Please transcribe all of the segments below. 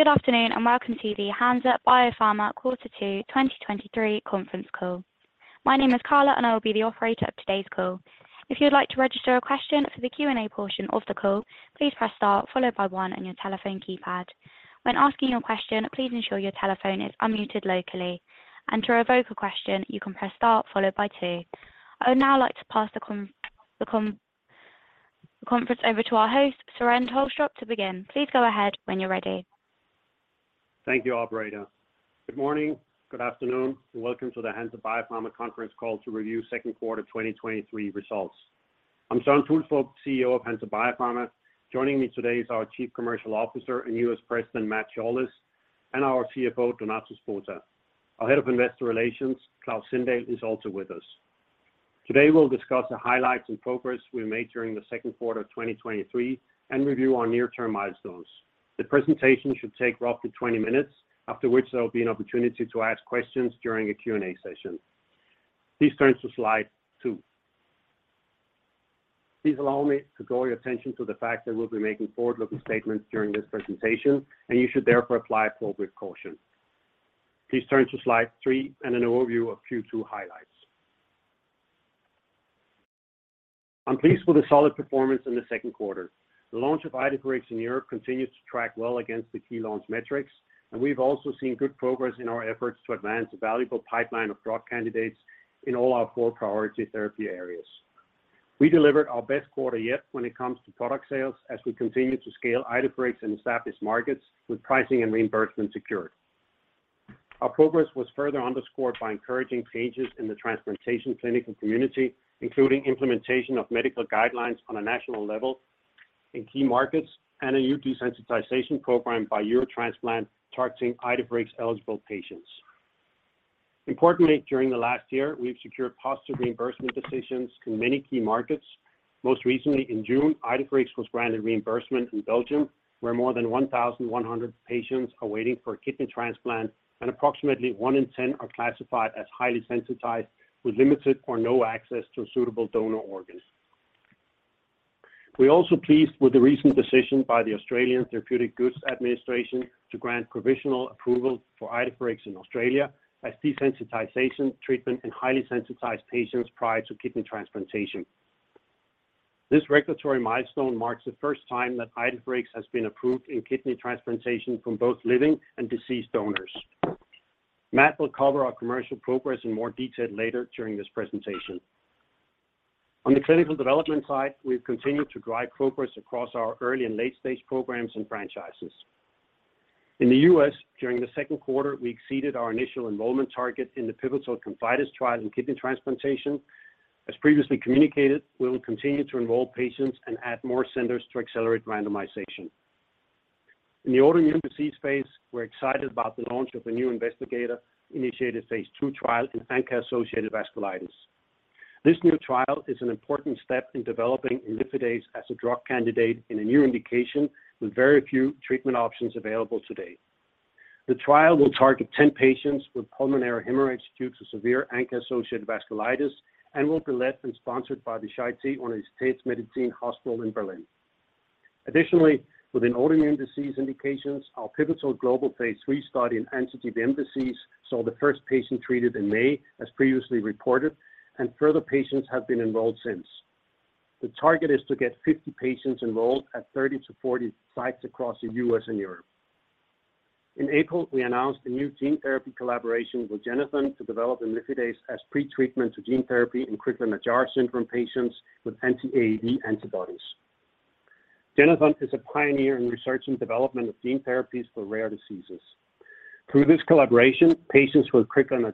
Good afternoon, welcome to the Hansa Biopharma Quarter Two 2023 conference call. My name is Carla, and I will be the operator of today's call. If you'd like to register a question for the Q&A portion of the call, please press Star followed by one on your telephone keypad. When asking your question, please ensure your telephone is unmuted locally. To revoke a question, you can press Star followed by two. I would now like to pass the conference over to our host, Søren Tulstrup, to begin. Please go ahead when you're ready. Thank you, operator. Good morning, good afternoon, and welcome to the Hansa Biopharma conference call to review second quarter 2023 results. I'm Søren Tulstrup, CEO of Hansa Biopharma. Joining me today is our Chief Commercial Officer and U.S. President, Matthew Shaulis, and our CFO, Donato Spota. Our Head of Investor Relations, Klaus Sindahl, is also with us. Today, we'll discuss the highlights and progress we made during the second quarter of 2023 and review our near-term milestones. The presentation should take roughly 20 minutes, after which there will be an opportunity to ask questions during a Q&A session. Please turn to slide 2. Please allow me to draw your attention to the fact that we'll be making forward-looking statements during this presentation. You should therefore apply appropriate caution. Please turn to slide 3 and an overview of Q2 highlights. I'm pleased with the solid performance in the second quarter. The launch of Idefirix in Europe continues to track well against the key launch metrics, and we've also seen good progress in our efforts to advance a valuable pipeline of drug candidates in all our four priority therapy areas. We delivered our best quarter yet when it comes to product sales as we continue to scale Idefirix in established markets with pricing and reimbursement secured. Our progress was further underscored by encouraging changes in the transplantation clinical community, including implementation of medical guidelines on a national level in key markets and a new desensitization program by Eurotransplant, targeting Idefirix eligible patients. Importantly, during the last year, we've secured positive reimbursement decisions in many key markets. Most recently, in June, Idefirix was granted reimbursement in Belgium, where more than 1,100 patients are waiting for a kidney transplant and approximately 1 in 10 are classified as highly sensitized, with limited or no access to suitable donor organs. We're also pleased with the recent decision by the Australian Therapeutic Goods Administration to grant provisional approval for Idefirix in Australia as desensitization treatment in highly sensitized patients prior to kidney transplantation. This regulatory milestone marks the first time that Idefirix has been approved in kidney transplantation from both living and deceased donors. Matt will cover our commercial progress in more detail later during this presentation. On the clinical development side, we've continued to drive progress across our early and late-stage programs and franchises. In the U.S., during the second quarter, we exceeded our initial enrollment target in the pivotal ConfIdeS trial in kidney transplantation. As previously communicated, we will continue to enroll patients and add more centers to accelerate randomization. In the autoimmune disease phase, we're excited about the launch of a new investigator-initiated phase 2 trial in ANCA-associated vasculitis. This new trial is an important step in developing imlifidase as a drug candidate in a new indication with very few treatment options available today. The trial will target 10 patients with pulmonary hemorrhage due to severe ANCA-associated vasculitis and will be led and sponsored by the Charité – Universitätsmedizin hospital in Berlin. Additionally, within autoimmune disease indications, our pivotal global phase 3 study in anti-GBM antibodies saw the first patient treated in May, as previously reported, and further patients have been enrolled since. The target is to get 50 patients enrolled at 30-40 sites across the U.S. and Europe. In April, we announced a new gene therapy collaboration with Genethon to develop imlifidase as pretreatment to gene therapy in Krabbe disease patients with anti-AAV antibodies. Genethon is a pioneer in research and development of gene therapies for rare diseases. Through this collaboration, patients with Krabbe disease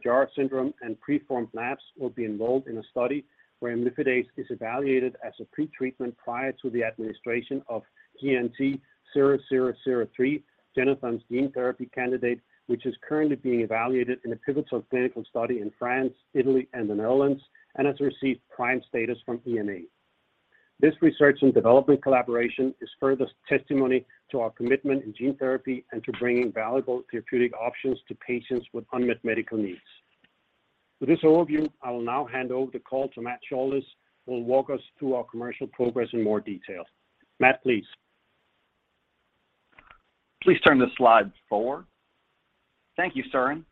and preformed antibodies will be involved in a study where imlifidase is evaluated as a pretreatment prior to the administration of GNT-0003, Genethon's gene therapy candidate, which is currently being evaluated in a pivotal clinical study in France, Italy, and the Netherlands, and has received PRIME status from EMA. This research and development collaboration is further testimony to our commitment in gene therapy and to bringing valuable therapeutic options to patients with unmet medical needs. With this overview, I will now hand over the call to Matt Shaulis, who will walk us through our commercial progress in more detail. Matt, please. Please turn to slide 4. Thank you, Søren.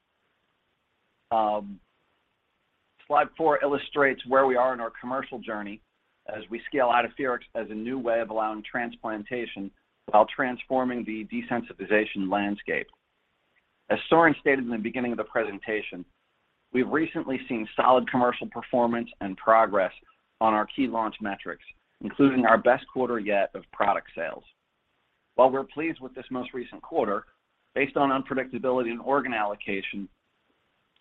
Slide 4 illustrates where we are in our commercial journey as we scale Idefirix as a new way of allowing transplantation while transforming the desensitization landscape. As Søren stated in the beginning of the presentation, we've recently seen solid commercial performance and progress on our key launch metrics, including our best quarter yet of product sales. While we're pleased with this most recent quarter, based on unpredictability and organ allocation,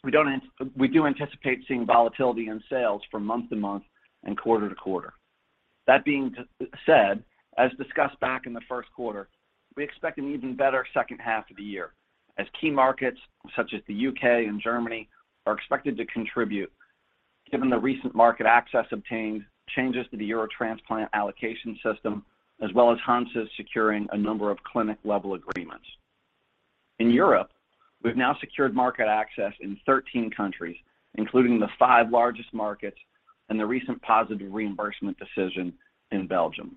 we do anticipate seeing volatility in sales from month to month and quarter to quarter. That being said, as discussed back in the first quarter, we expect an even better second half of the year, as key markets, such as the U.K. and Germany, are expected to contribute, given the recent market access obtained, changes to the Eurotransplant allocation system, as well as Hansa securing a number of clinic-level agreements. In Europe. We've now secured market access in 13 countries, including the five largest markets and the recent positive reimbursement decision in Belgium.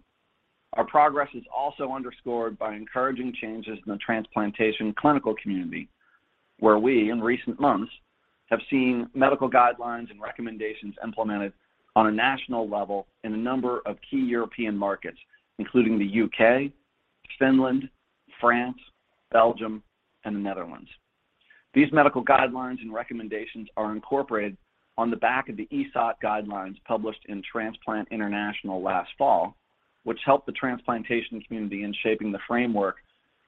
Our progress is also underscored by encouraging changes in the transplantation clinical community, where we, in recent months, have seen medical guidelines and recommendations implemented on a national level in a number of key European markets, including the U.K., Finland, France, Belgium, and the Netherlands. These medical guidelines and recommendations are incorporated on the back of the ESOT guidelines published in Transplant International last fall, which helped the transplantation community in shaping the framework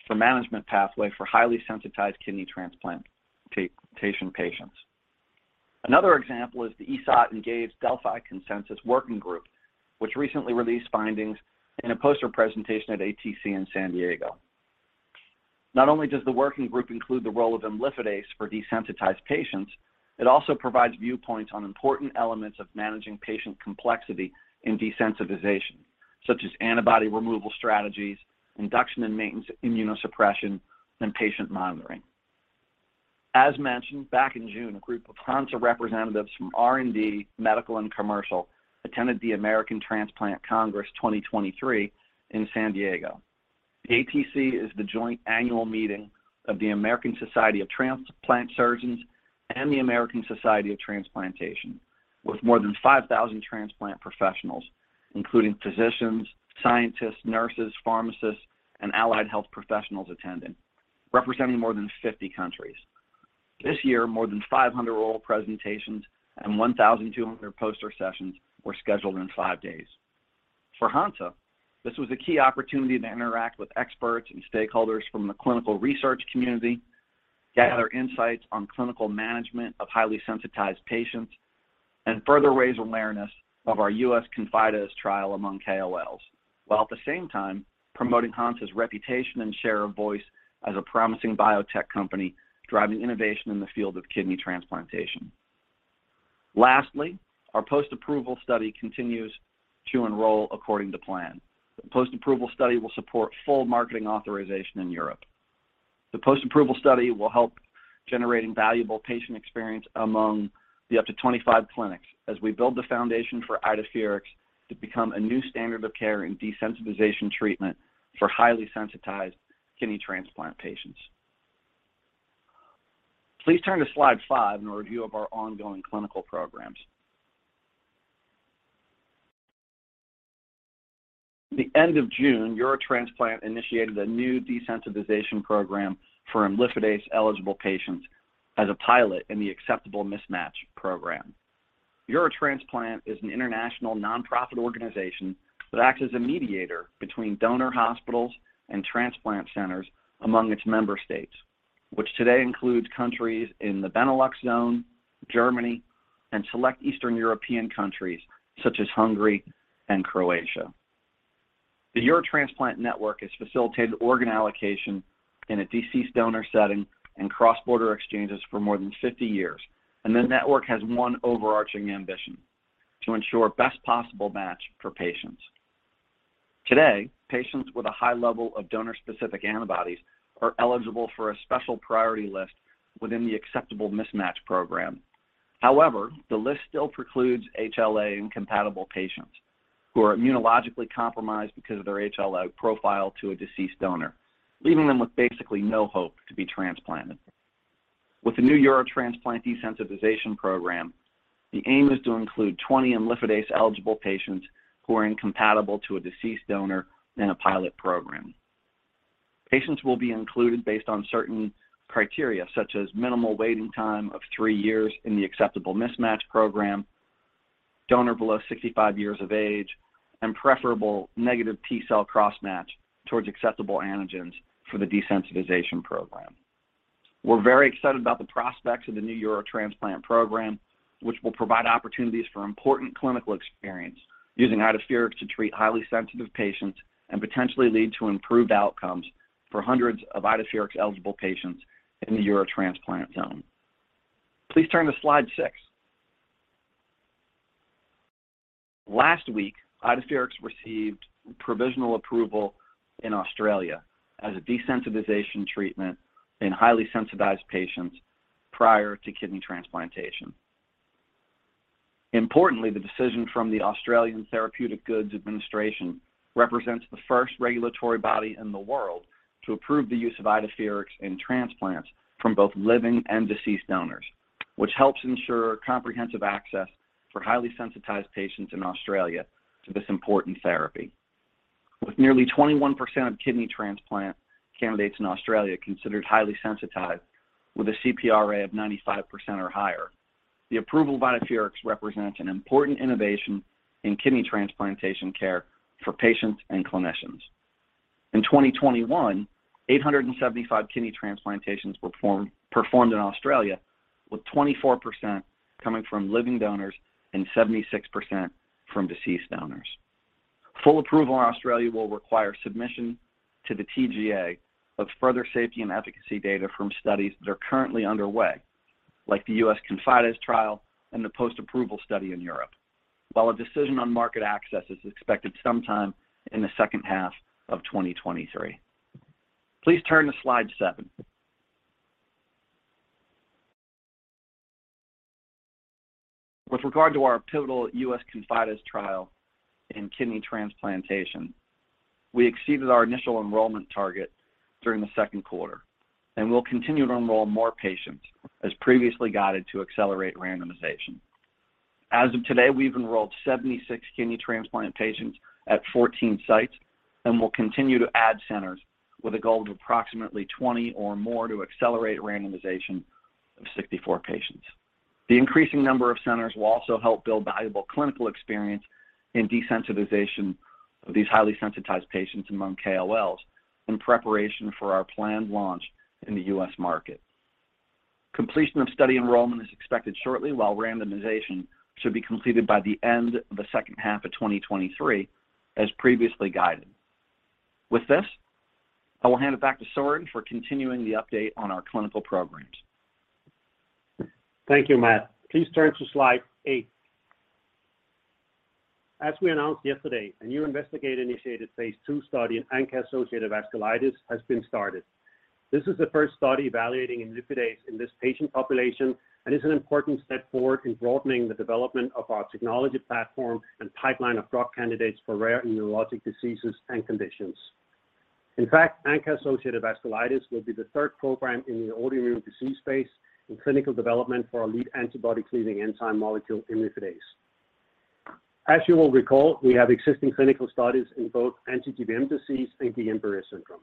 for management pathway for highly sensitized kidney transplantation patients. Another example is the ESOT-engaged Delphi Consensus Working Group, which recently released findings in a poster presentation at ATC in San Diego. Not only does the working group include the role of imlifidase for desensitized patients, it also provides viewpoints on important elements of managing patient complexity in desensitization, such as antibody removal strategies, induction and maintenance immunosuppression, and patient monitoring. As mentioned, back in June, a group of Hansa representatives from R&D, Medical, and Commercial attended the American Transplant Congress 2023 in San Diego. The ATC is the joint annual meeting of the American Society of Transplant Surgeons and the American Society of Transplantation, with more than 5,000 transplant professionals, including physicians, scientists, nurses, pharmacists, and allied health professionals attending, representing more than 50 countries. This year, more than 500 oral presentations and 1,200 poster sessions were scheduled in five days. For Hansa, this was a key opportunity to interact with experts and stakeholders from the clinical research community, gather insights on clinical management of highly sensitized patients, and further raise awareness of our U.S. ConfIdeS trial among KOLs, while at the same time promoting Hansa's reputation and share of voice as a promising biotech company, driving innovation in the field of kidney transplantation. Lastly, our post-approval study continues to enroll according to plan. The post-approval study will support full marketing authorization in Europe. The post-approval study will help generating valuable patient experience among the up to 25 clinics as we build the foundation for Idefirix to become a new standard of care in desensitization treatment for highly sensitized kidney transplant patients. Please turn to slide 5 in a review of our ongoing clinical programs. The end of June, Eurotransplant initiated a new desensitization program for imlifidase-eligible patients as a pilot in the Acceptable Mismatch Program. Eurotransplant is an international nonprofit organization that acts as a mediator between donor hospitals and transplant centers among its member states, which today includes countries in the Benelux zone, Germany, and select Eastern European countries, such as Hungary and Croatia. The Eurotransplant network has facilitated organ allocation in a deceased donor setting and cross-border exchanges for more than 50 years, the network has one overarching ambition: to ensure best possible match for patients. Today, patients with a high level of donor-specific antibodies are eligible for a special priority list within the Acceptable Mismatch program. The list still precludes HLA-incompatible patients who are immunologically compromised because of their HLA profile to a deceased donor, leaving them with basically no hope to be transplanted. With the new Eurotransplant desensitization program, the aim is to include 20 imlifidase-eligible patients who are incompatible to a deceased donor in a pilot program. Patients will be included based on certain criteria, such as minimal waiting time of 3 years in the Acceptable Mismatch program, donor below 65 years of age, and preferable negative T-cell cross-match towards acceptable antigens for the desensitization program. We're very excited about the prospects of the new Eurotransplant program, which will provide opportunities for important clinical experience using Idefirix to treat highly sensitive patients and potentially lead to improved outcomes for hundreds of Idefirix-eligible patients in the Eurotransplant zone. Please turn to slide 6. Last week, Idefirix received provisional approval in Australia as a desensitization treatment in highly sensitized patients prior to kidney transplantation. Importantly, the decision from the Australian Therapeutic Goods Administration represents the first regulatory body in the world to approve the use of Idefirix in transplants from both living and deceased donors, which helps ensure comprehensive access for highly sensitized patients in Australia to this important therapy. With nearly 21% of kidney transplant candidates in Australia considered highly sensitized with a CPRA of 95% or higher, the approval of Idefirix represents an important innovation in kidney transplantation care for patients and clinicians. In 2021, 875 kidney transplantations were performed in Australia, with 24% coming from living donors and 76% from deceased donors. Full approval in Australia will require submission to the TGA of further safety and efficacy data from studies that are currently underway, like the U.S. ConfIdeS trial and the post-approval study in Europe, while a decision on market access is expected sometime in the second half of 2023. Please turn to slide 7. With regard to our pivotal U.S. ConfIdeS trial in kidney transplantation, we exceeded our initial enrollment target during the second quarter. We'll continue to enroll more patients, as previously guided, to accelerate randomization. As of today, we've enrolled 76 kidney transplant patients at 14 sites. We'll continue to add centers with a goal of approximately 20 or more to accelerate randomization of 64 patients. The increasing number of centers will also help build valuable clinical experience in desensitization of these highly sensitized patients among KOLs in preparation for our planned launch in the U.S. market. Completion of study enrollment is expected shortly, while randomization should be completed by the end of the second half of 2023, as previously guided. With this, I will hand it back to Søren for continuing the update on our clinical programs. Thank you, Matt. Please turn to slide 8. As we announced yesterday, a new investigator-initiated phase 2 study in ANCA-associated vasculitis has been started. This is the first study evaluating imlifidase in this patient population and is an important step forward in broadening the development of our technology platform and pipeline of drug candidates for rare immunologic diseases and conditions. In fact, ANCA-associated vasculitis will be the third program in the autoimmune disease space in clinical development for our lead antibody-cleaving enzyme molecule, imlifidase. As you will recall, we have existing clinical studies in both anti-GBM disease and the Guillain-Barré Syndrome.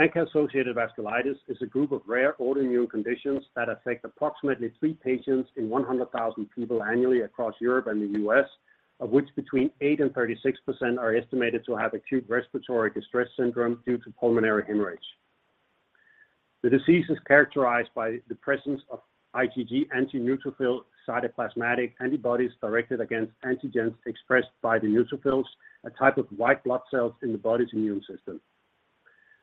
ANCA-associated vasculitis is a group of rare autoimmune conditions that affect approximately three patients in 100,000 people annually across Europe and the US, of which between 8% and 36% are estimated to have acute respiratory distress syndrome due to pulmonary hemorrhage. The disease is characterized by the presence of IgG anti-neutrophil cytoplasmic antibodies directed against antigens expressed by the neutrophils, a type of white blood cells in the body's immune system.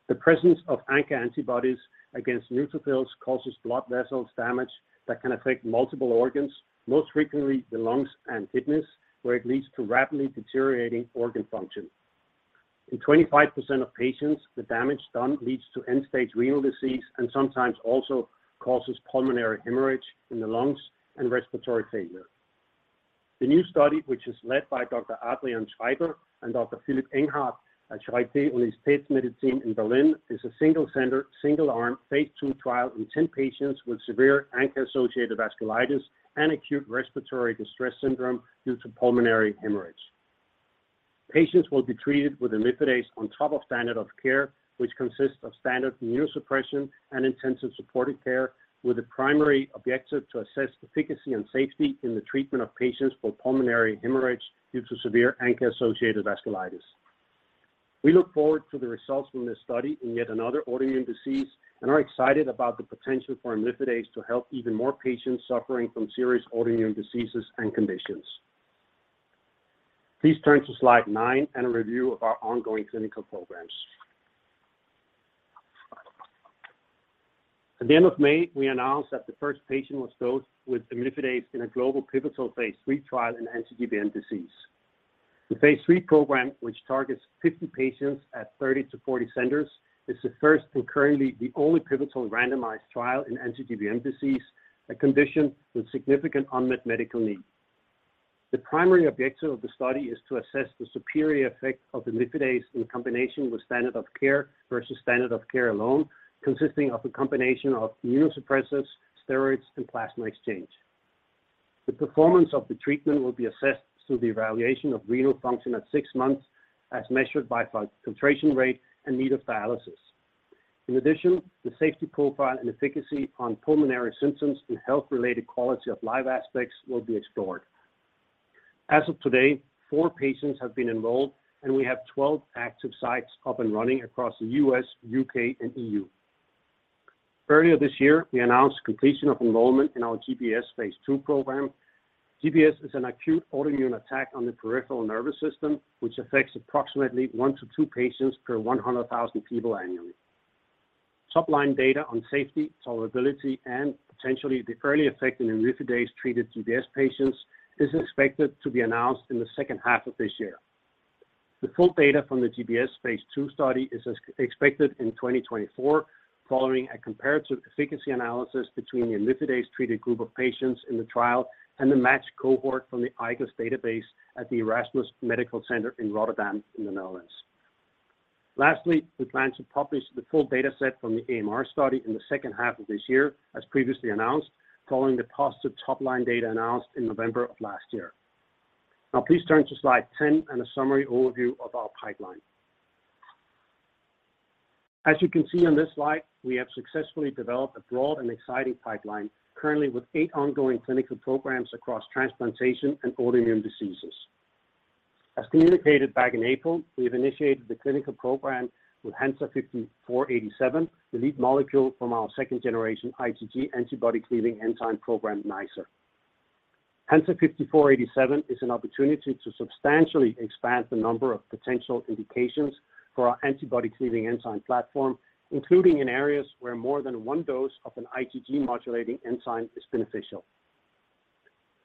The presence of ANCA antibodies against neutrophils causes blood vessels damage that can affect multiple organs, most frequently the lungs and kidneys, where it leads to rapidly deteriorating organ function. In 25% of patients, the damage done leads to end-stage renal disease and sometimes also causes pulmonary hemorrhage in the lungs and respiratory failure. The new study, which is led by Dr. Adrian Schreiber and Dr. Philipp Enghard at Charité – Universitätsmedizin Berlin, is a single center, single-arm, phase 2 trial in 10 patients with severe ANCA-associated vasculitis and acute respiratory distress syndrome due to pulmonary hemorrhage. Patients will be treated with imlifidase on top of standard of care, which consists of standard immunosuppression and intensive supportive care, with the primary objective to assess efficacy and safety in the treatment of patients for pulmonary hemorrhage due to severe ANCA-associated vasculitis. We look forward to the results from this study in yet another autoimmune disease and are excited about the potential for imlifidase to help even more patients suffering from serious autoimmune diseases and conditions. Please turn to slide 9 and a review of our ongoing clinical programs. At the end of May, we announced that the first patient was dosed with imlifidase in a global pivotal phase 3 trial in anti-GBM disease. The phase 3 program, which targets 50 patients at 30-40 centers, is the first and currently the only pivotal randomized trial in anti-GBM disease, a condition with significant unmet medical needs. The primary objective of the study is to assess the superior effect of imlifidase in combination with standard of care versus standard of care alone, consisting of a combination of immunosuppressants, steroids, and plasma exchange. The performance of the treatment will be assessed through the evaluation of renal function at 6 months, as measured by filtration rate and need of dialysis. The safety profile and efficacy on pulmonary symptoms and health-related quality of life aspects will be explored. As of today, 4 patients have been enrolled, and we have 12 active sites up and running across the U.S., U.K., and EU. Earlier this year, we announced completion of enrollment in our GBS phase 2 program. GBS is an acute autoimmune attack on the peripheral nervous system, which affects approximately 1 to 2 patients per 100,000 people annually. Top-line data on safety, tolerability, and potentially the early effect in imlifidase-treated GBS patients is expected to be announced in the second half of this year. The full data from the GBS phase II study is expected in 2024, following a comparative efficacy analysis between the imlifidase-treated group of patients in the trial and the matched cohort from the IGOS database at the Erasmus MC in Rotterdam, in the Netherlands. We plan to publish the full data set from the AMR study in the second half of this year, as previously announced, following the positive top-line data announced in November of last year. Please turn to slide 10 and a summary overview of our pipeline. As you can see on this slide, we have successfully developed a broad and exciting pipeline, currently with 8 ongoing clinical programs across transplantation and autoimmune diseases. As communicated back in April, we have initiated the clinical program with HNSA-5487, the lead molecule from our second-generation IgG antibody-cleaving enzyme program, NiceR. HNSA-5487 is an opportunity to substantially expand the number of potential indications for our antibody-cleaving enzyme platform, including in areas where more than one dose of an IgG-modulating enzyme is beneficial.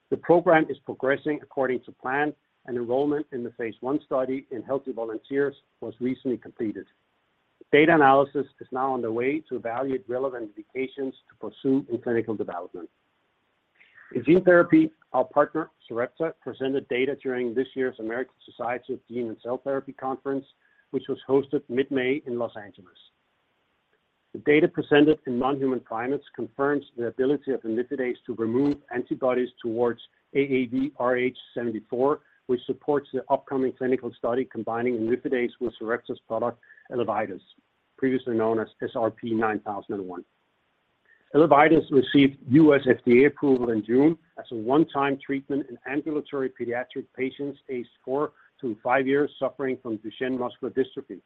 The program is progressing according to plan. Enrollment in the phase 1 study in healthy volunteers was recently completed. Data analysis is now underway to evaluate relevant indications to pursue in clinical development. In gene therapy, our partner, Sarepta, presented data during this year's American Society of Gene & Cell Therapy Conference, which was hosted mid-May in L.A. The data presented in non-human primates confirms the ability of imlifidase to remove antibodies towards AAVrh74, which supports the upcoming clinical study combining imlifidase with Sarepta Therapeutics' product, ELEVIDYS, previously known as SRP-9001. ELEVIDYS received U.S. FDA approval in June as a 1-time treatment in ambulatory pediatric patients, aged 4 to 5 years, suffering from Duchenne muscular dystrophy.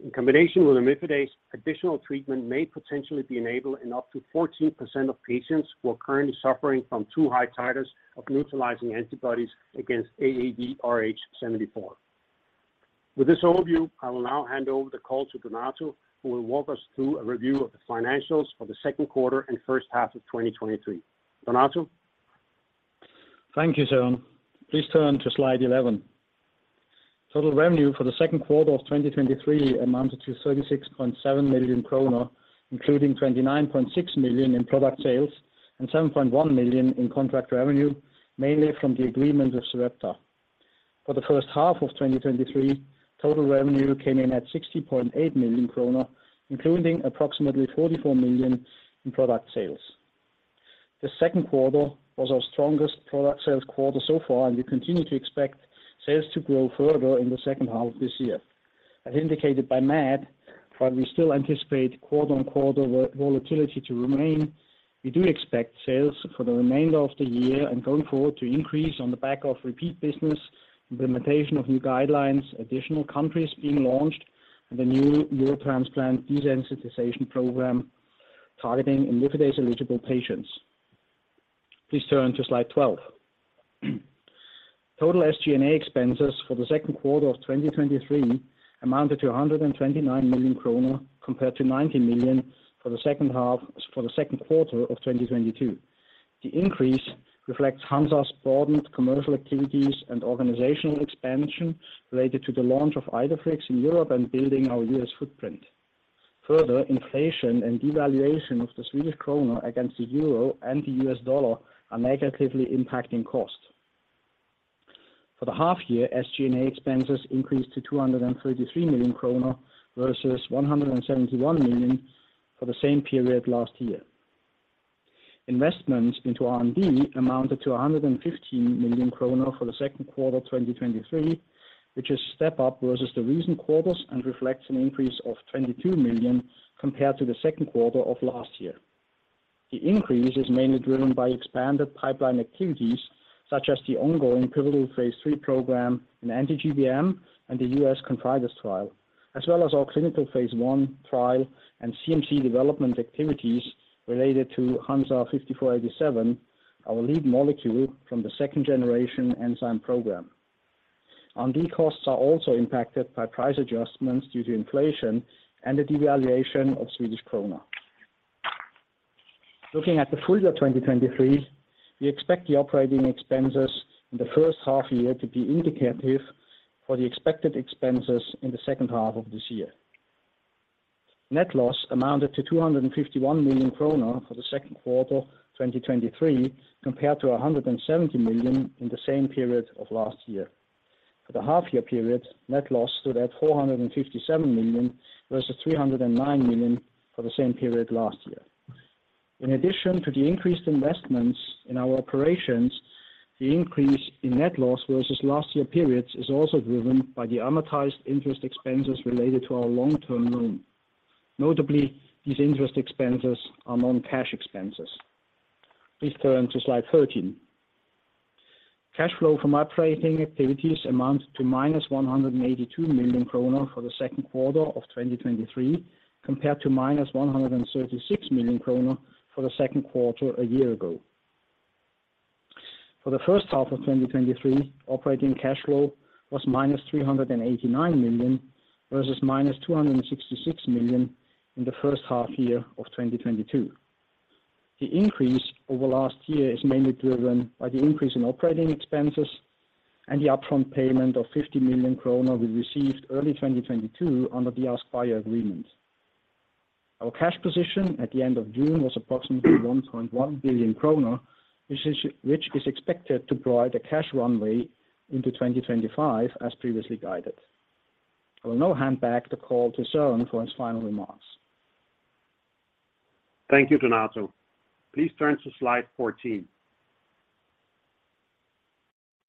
In combination with imlifidase, additional treatment may potentially be enabled in up to 14% of patients who are currently suffering from 2 high titers of neutralizing antibodies against AAVrh74. With this overview, I will now hand over the call to Donato, who will walk us through a review of the financials for the second quarter and first half of 2023. Donato? Thank you, Søren. Please turn to slide 11. Total revenue for the second quarter of 2023 amounted to 36.7 million kronor, including 29.6 million in product sales and 7.1 million in contract revenue, mainly from the agreement with Sarepta. For the first half of 2023, total revenue came in at 60.8 million kronor, including approximately 44 million in product sales. The second quarter was our strongest product sales quarter so far, and we continue to expect sales to grow further in the second half of this year. As indicated by Matt, while we still anticipate quarter-on-quarter volatility to remain, we do expect sales for the remainder of the year and going forward to increase on the back of repeat business, implementation of new guidelines, additional countries being launched, and the new neuro transplant desensitization program targeting imlifidase-eligible patients. Please turn to slide 12. Total SG&A expenses for the second quarter of 2023 amounted to 129 million kronor, compared to 90 million for the second quarter of 2022. The increase reflects Hansa's broadened commercial activities and organizational expansion related to the launch of Idefirix in Europe and building our U.S. footprint. Further, inflation and devaluation of the Swedish krona against the euro and the US dollar are negatively impacting costs. For the half year, SG&A expenses increased to 233 million kronor versus 171 million for the same period last year. Investments into R&D amounted to 115 million kronor for the second quarter 2023, which is a step up versus the recent quarters and reflects an increase of 22 million compared to the second quarter of last year. The increase is mainly driven by expanded pipeline activities, such as the ongoing pivotal phase 3 program in anti-GBM and the US ConfIdeS trial, as well as our clinical phase 1 trial and CMC development activities related to HNSA-5487, our lead molecule from the second generation enzyme program. R&D costs are also impacted by price adjustments due to inflation and the devaluation of Swedish krona. Looking at the full year 2023, we expect the operating expenses in the first half year to be indicative for the expected expenses in the second half of this year. Net loss amounted to 251 million kronor for the 2Q 2023, compared to 170 million in the same period of last year. For the half-year period, net loss stood at 457 million, versus 309 million for the same period last year. In addition to the increased investments in our operations, the increase in net loss versus last year periods is also driven by the amortized interest expenses related to our long-term loan. Notably, these interest expenses are non-cash expenses. Please turn to slide 13. Cash flow from operating activities amounted to minus 182 million kronor for the second quarter of 2023, compared to minus 136 million kronor for the second quarter a year ago. For the first half of 2023, operating cash flow was minus 389 million, versus minus 266 million in the first half year of 2022. The increase over last year is mainly driven by the increase in operating expenses and the upfront payment of 50 million kronor we received early 2022 under the AskBio Agreement. Our cash position at the end of June was approximately 1.1 billion kronor, which is expected to provide a cash runway into 2025, as previously guided. I will now hand back the call to Søren for his final remarks. Thank you, Donato. Please turn to slide 14.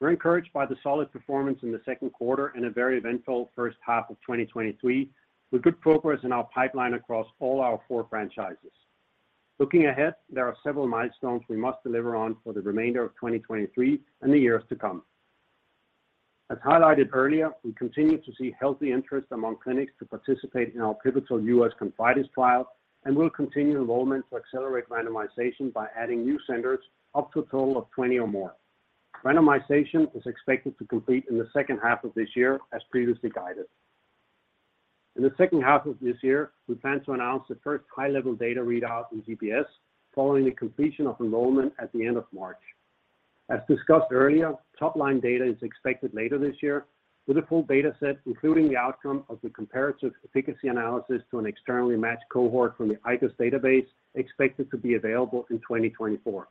We're encouraged by the solid performance in the second quarter and a very eventful first half of 2023, with good progress in our pipeline across all our four franchises. Looking ahead, there are several milestones we must deliver on for the remainder of 2023 and the years to come... As highlighted earlier, we continue to see healthy interest among clinics to participate in our pivotal U.S. ConfIdeS trial, and we'll continue enrollment to accelerate randomization by adding new centers up to a total of 20 or more. Randomization is expected to complete in the second half of this year, as previously guided. In the second half of this year, we plan to announce the first high-level data readout in GBS, following the completion of enrollment at the end of March. As discussed earlier, top-line data is expected later this year, with a full data set, including the outcome of the comparative efficacy analysis to an externally matched cohort from the IQVIA U.S. database, expected to be available in 2024.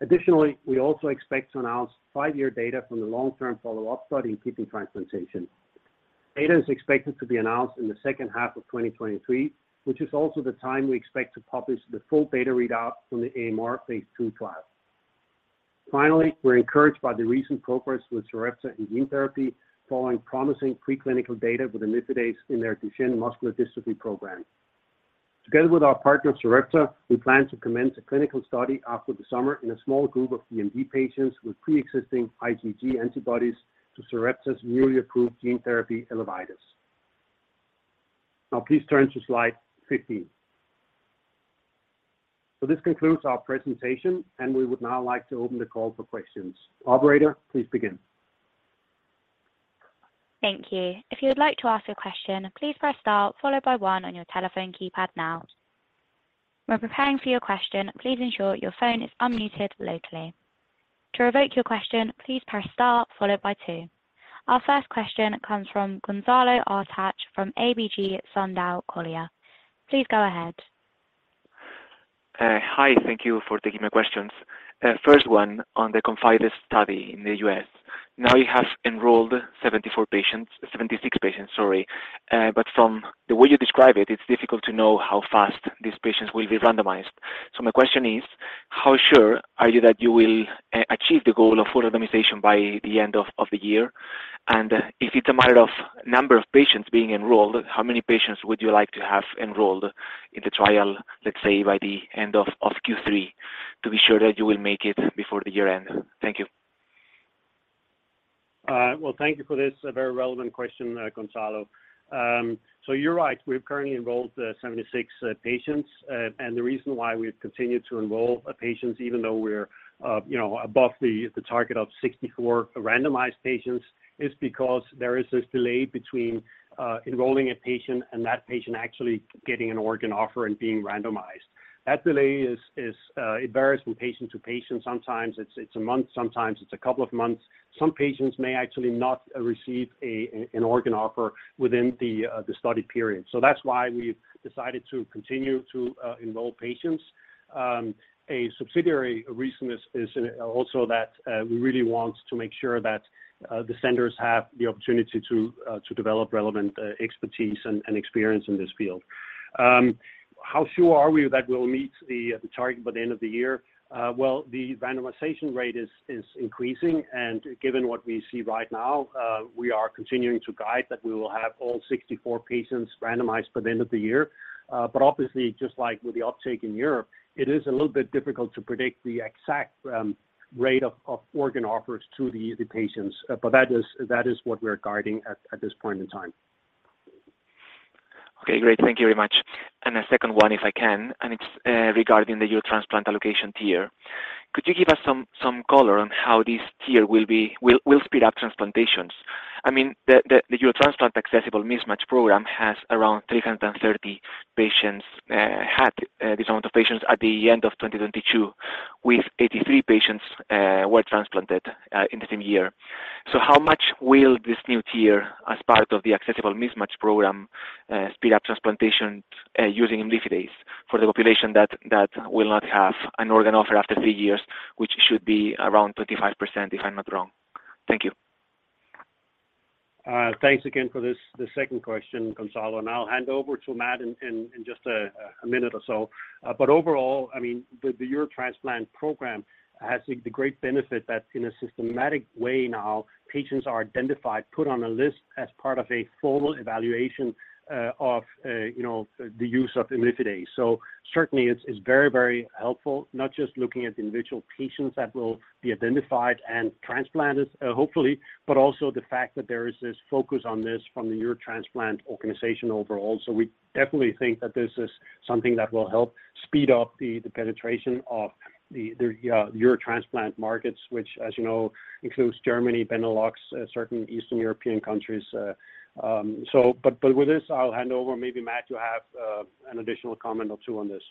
Additionally, we also expect to announce 5-year data from the long-term follow-up study in kidney transplantation. Data is expected to be announced in the second half of 2023, which is also the time we expect to publish the full data readout from the AMR Phase 2 trial. Finally, we're encouraged by the recent progress with Sarepta in gene therapy, following promising preclinical data with imlifidase in their Duchenne muscular dystrophy program. Together with our partner, Sarepta, we plan to commence a clinical study after the summer in a small group of DMD patients with preexisting IgG antibodies to Sarepta's newly approved gene therapy, ELEVIDYS. Now please turn to slide 15. This concludes our presentation, and we would now like to open the call for questions. Operator, please begin. Thank you. If you would like to ask a question, please press star followed by one on your telephone keypad now. While preparing for your question, please ensure your phone is unmuted locally. To revoke your question, please press star followed by two. Our first question comes from Gonzalo Attali from ABG Sundal Collier. Please go ahead. Hi, thank you for taking my questions. First one on the ConfIdeS study in the U.S. Now, you have enrolled 74 patients, 76 patients, sorry. From the way you describe it's difficult to know how fast these patients will be randomized. My question is, how sure are you that you will achieve the goal of full randomization by the end of the year? If it's a matter of number of patients being enrolled, how many patients would you like to have enrolled in the trial, let's say, by the end of Q3, to be sure that you will make it before the year end? Thank you. Well, thank you for this, a very relevant question, Gonzalo. You're right. We've currently enrolled 76 patients. The reason why we've continued to enroll patients, even though we're, you know, above the target of 64 randomized patients, is because there is this delay between enrolling a patient and that patient actually getting an organ offer and being randomized. That delay is, it varies from patient to patient. Sometimes it's a month, sometimes it's a couple of months. Some patients may actually not receive an organ offer within the study period. That's why we've decided to continue to enroll patients. A subsidiary reason is also that we really want to make sure that the centers have the opportunity to develop relevant expertise and experience in this field. How sure are we that we'll meet the target by the end of the year? Well, the randomization rate is increasing, and given what we see right now, we are continuing to guide that we will have all 64 patients randomized by the end of the year. Obviously, just like with the uptake in Europe, it is a little bit difficult to predict the exact rate of organ offers to the patients, but that is what we're guiding at this point in time. Okay, great. Thank you very much. A second one, if I can, and it's regarding the Eurotransplant allocation tier. Could you give us some color on how this tier will speed up transplantations? I mean, the Eurotransplant Acceptable Mismatch Program has around 330 patients, had this amount of patients at the end of 2022, with 83 patients were transplanted in the same year. How much will this new tier, as part of the Acceptable Mismatch Program, speed up transplantation using imlifidase for the population that will not have an organ offer after 3 years, which should be around 35%, if I'm not wrong? Thank you. Thanks again for this, the second question, Gonzalo, I'll hand over to Matt in just a minute or so. Overall, I mean, the Eurotransplant program has the great benefit that in a systematic way now, patients are identified, put on a list as part of a formal evaluation of, you know, the use of imlifidase. Certainly, it's very, very helpful, not just looking at the individual patients that will be identified and transplanted, hopefully, but also the fact that there is this focus on this from the Eurotransplant organization overall. We definitely think that this is something that will help speed up the penetration of the Eurotransplant markets, which, as you know, includes Germany, Benelux, certain Eastern European countries. But with this, I'll hand over. Maybe, Matt, you have an additional comment or two on this.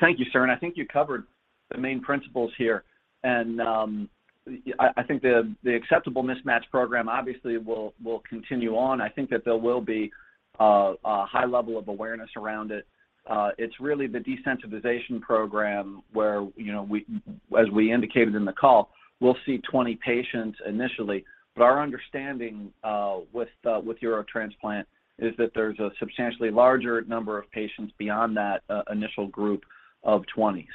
Thank you, Søren. I think you covered the main principles here. I think the Acceptable Mismatch Program obviously will continue on. I think that there will be a high level of awareness around it. It's really the desensitization program where, you know, we, as we indicated in the call, we'll see 20 patients initially. Our understanding with Eurotransplant is that there's a substantially larger number of patients beyond that initial group of 20.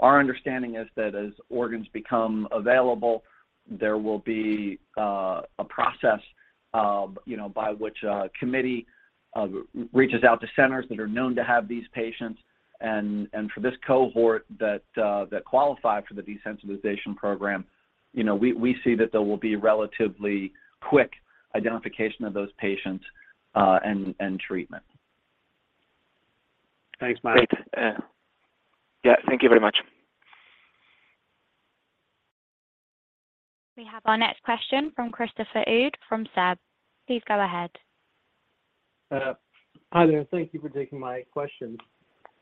Our understanding is that as organs become available, there will be a process.... you know, by which a committee reaches out to centers that are known to have these patients. For this cohort that qualify for the desensitization program, you know, we see that there will be relatively quick identification of those patients, and treatment. Thanks, Mike. Great, yeah, thank you very much. We have our next question from Christopher Uhde from SEB. Please go ahead. Hi there, thank you for taking my question.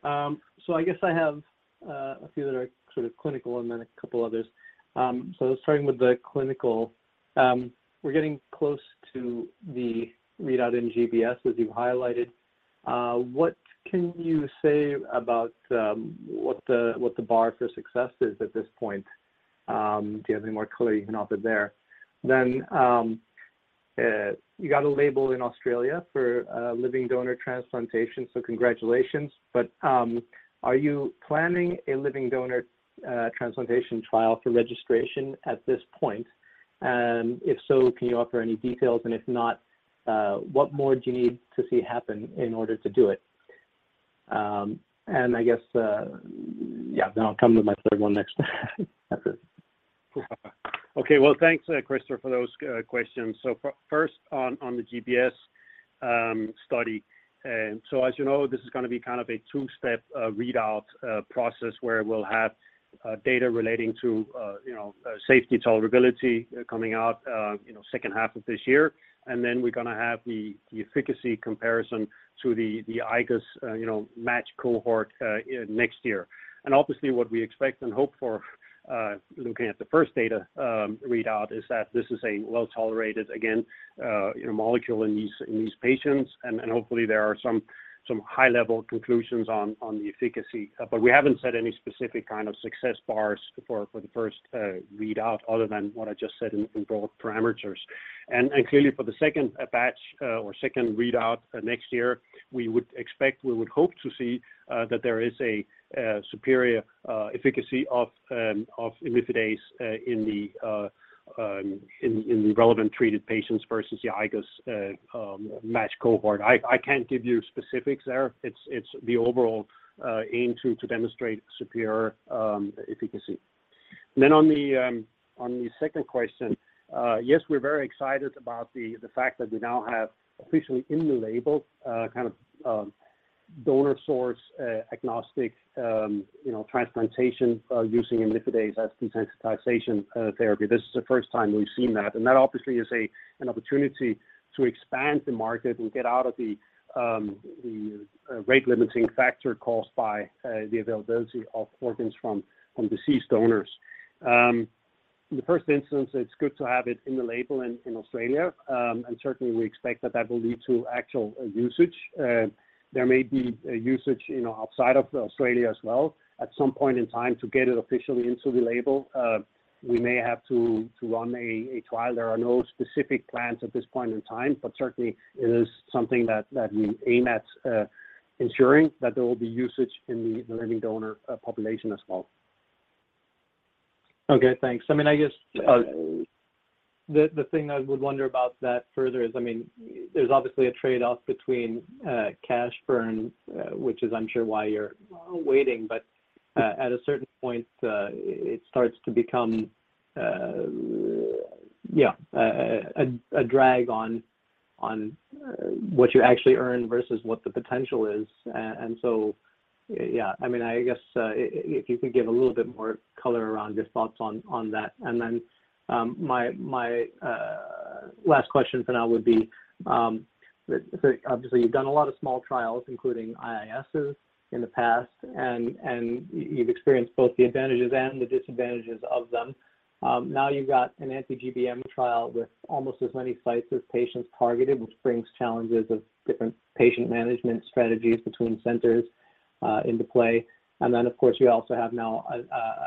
I guess I have a few that are sort of clinical and then a couple others. Starting with the clinical, we're getting close to the readout in GBS, as you highlighted. What can you say about what the bar for success is at this point? Do you have any more color you can offer there? You got a label in Australia for living donor transplantation, so congratulations. Are you planning a living donor transplantation trial for registration at this point? If so, can you offer any details, and if not, what more do you need to see happen in order to do it? I guess, yeah, then I'll come to my third one next. That's it. Okay. Well, thanks, Christopher, for those questions. First on the GBS study, as you know, this is going to be kind of a two-step readout process, where we'll have data relating to, you know, safety tolerability, coming out, you know, second half of this year. Then we're going to have the efficacy comparison to the IGOS, you know, match cohort next year. Obviously, what we expect and hope for, looking at the first data readout, is that this is a well-tolerated, again, you know, molecule in these patients, and hopefully there are some high-level conclusions on the efficacy. We haven't set any specific kind of success bars for the first readout other than what I just said in broad parameters. Clearly, for the second batch or second readout next year, we would hope to see that there is a superior efficacy of imlifidase in the relevant treated patients versus the IGOS match cohort. I can't give you specifics there. It's the overall aim to demonstrate superior efficacy. On the second question, yes, we're very excited about the fact that we now have officially in the label kind of donor source agnostic, you know, transplantation using imlifidase as desensitization therapy. This is the first time we've seen that. That obviously is an opportunity to expand the market and get out of the rate limiting factor caused by the availability of organs from deceased donors. In the first instance, it's good to have it in the label in Australia. Certainly we expect that that will lead to actual usage. There may be a usage, you know, outside of Australia as well. At some point in time, to get it officially into the label, we may have to run a trial. There are no specific plans at this point in time, certainly it is something that we aim at ensuring that there will be usage in the living donor population as well. Okay, thanks. I mean, I guess, the thing I would wonder about that further is, I mean, there's obviously a trade-off between cash burn, which is I'm sure why you're waiting, but at a certain point, it starts to become, yeah, a drag on what you actually earn versus what the potential is. Yeah, I mean, I guess, if you could give a little bit more color around your thoughts on that. My last question for now would be, the obviously, you've done a lot of small trials, including IISs in the past, and you've experienced both the advantages and the disadvantages of them. Now you've got an anti-GBM trial with almost as many sites as patients targeted, which brings challenges of different patient management strategies between centers into play. Of course, you also have now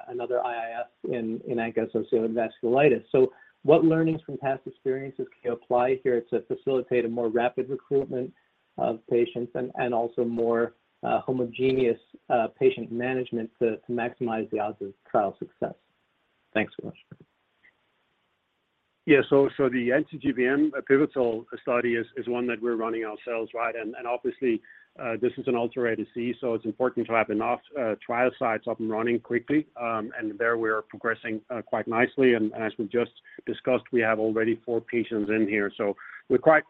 another IIS in ANCA-associated vasculitis. What learnings from past experiences can you apply here to facilitate a more rapid recruitment of patients and also more homogeneous patient management to maximize the odds of trial success? Thanks so much. The anti-GBM pivotal study is one that we're running ourselves, right? Obviously, this is an ultra-rare disease, so it's important to have enough trial sites up and running quickly. There we are progressing quite nicely, and as we've just discussed, we have already four patients in here. We're quite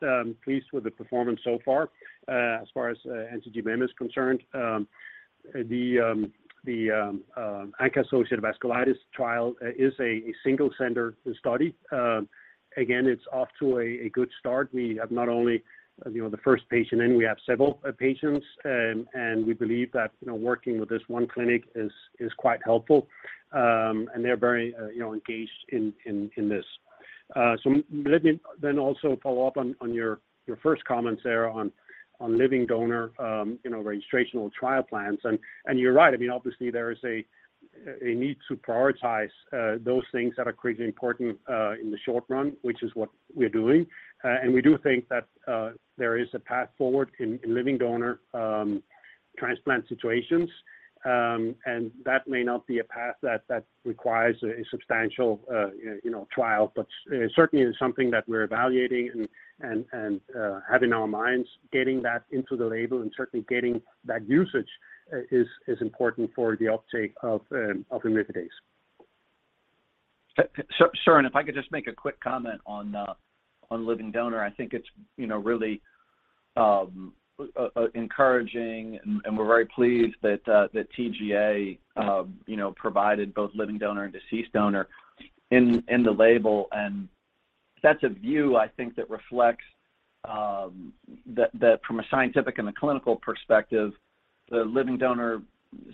pleased with the performance so far. As far as anti-GBM is concerned, the ANCA-associated vasculitis trial is a single center study. Again, it's off to a good start. We have not only, you know, the first patient in, we have several patients. We believe that, you know, working with this one clinic is quite helpful, and they're very, you know, engaged in this. Let me then also follow up on your first comment there on living donor, you know, registrational trial plans. You're right. I mean, obviously, there is a need to prioritize those things that are critically important in the short run, which is what we're doing. We do think that there is a path forward in living donor transplant situations, and that may not be a path that requires a substantial, you know, trial, but it certainly is something that we're evaluating and having in our minds, getting that into the label and certainly getting that usage, is important for the uptake of remicade. Søren, if I could just make a quick comment on living donor. I think it's, you know, really a encouraging and we're very pleased that TGA, you know, provided both living donor and deceased donor in the label. That's a view I think that reflects that from a scientific and a clinical perspective, the living donor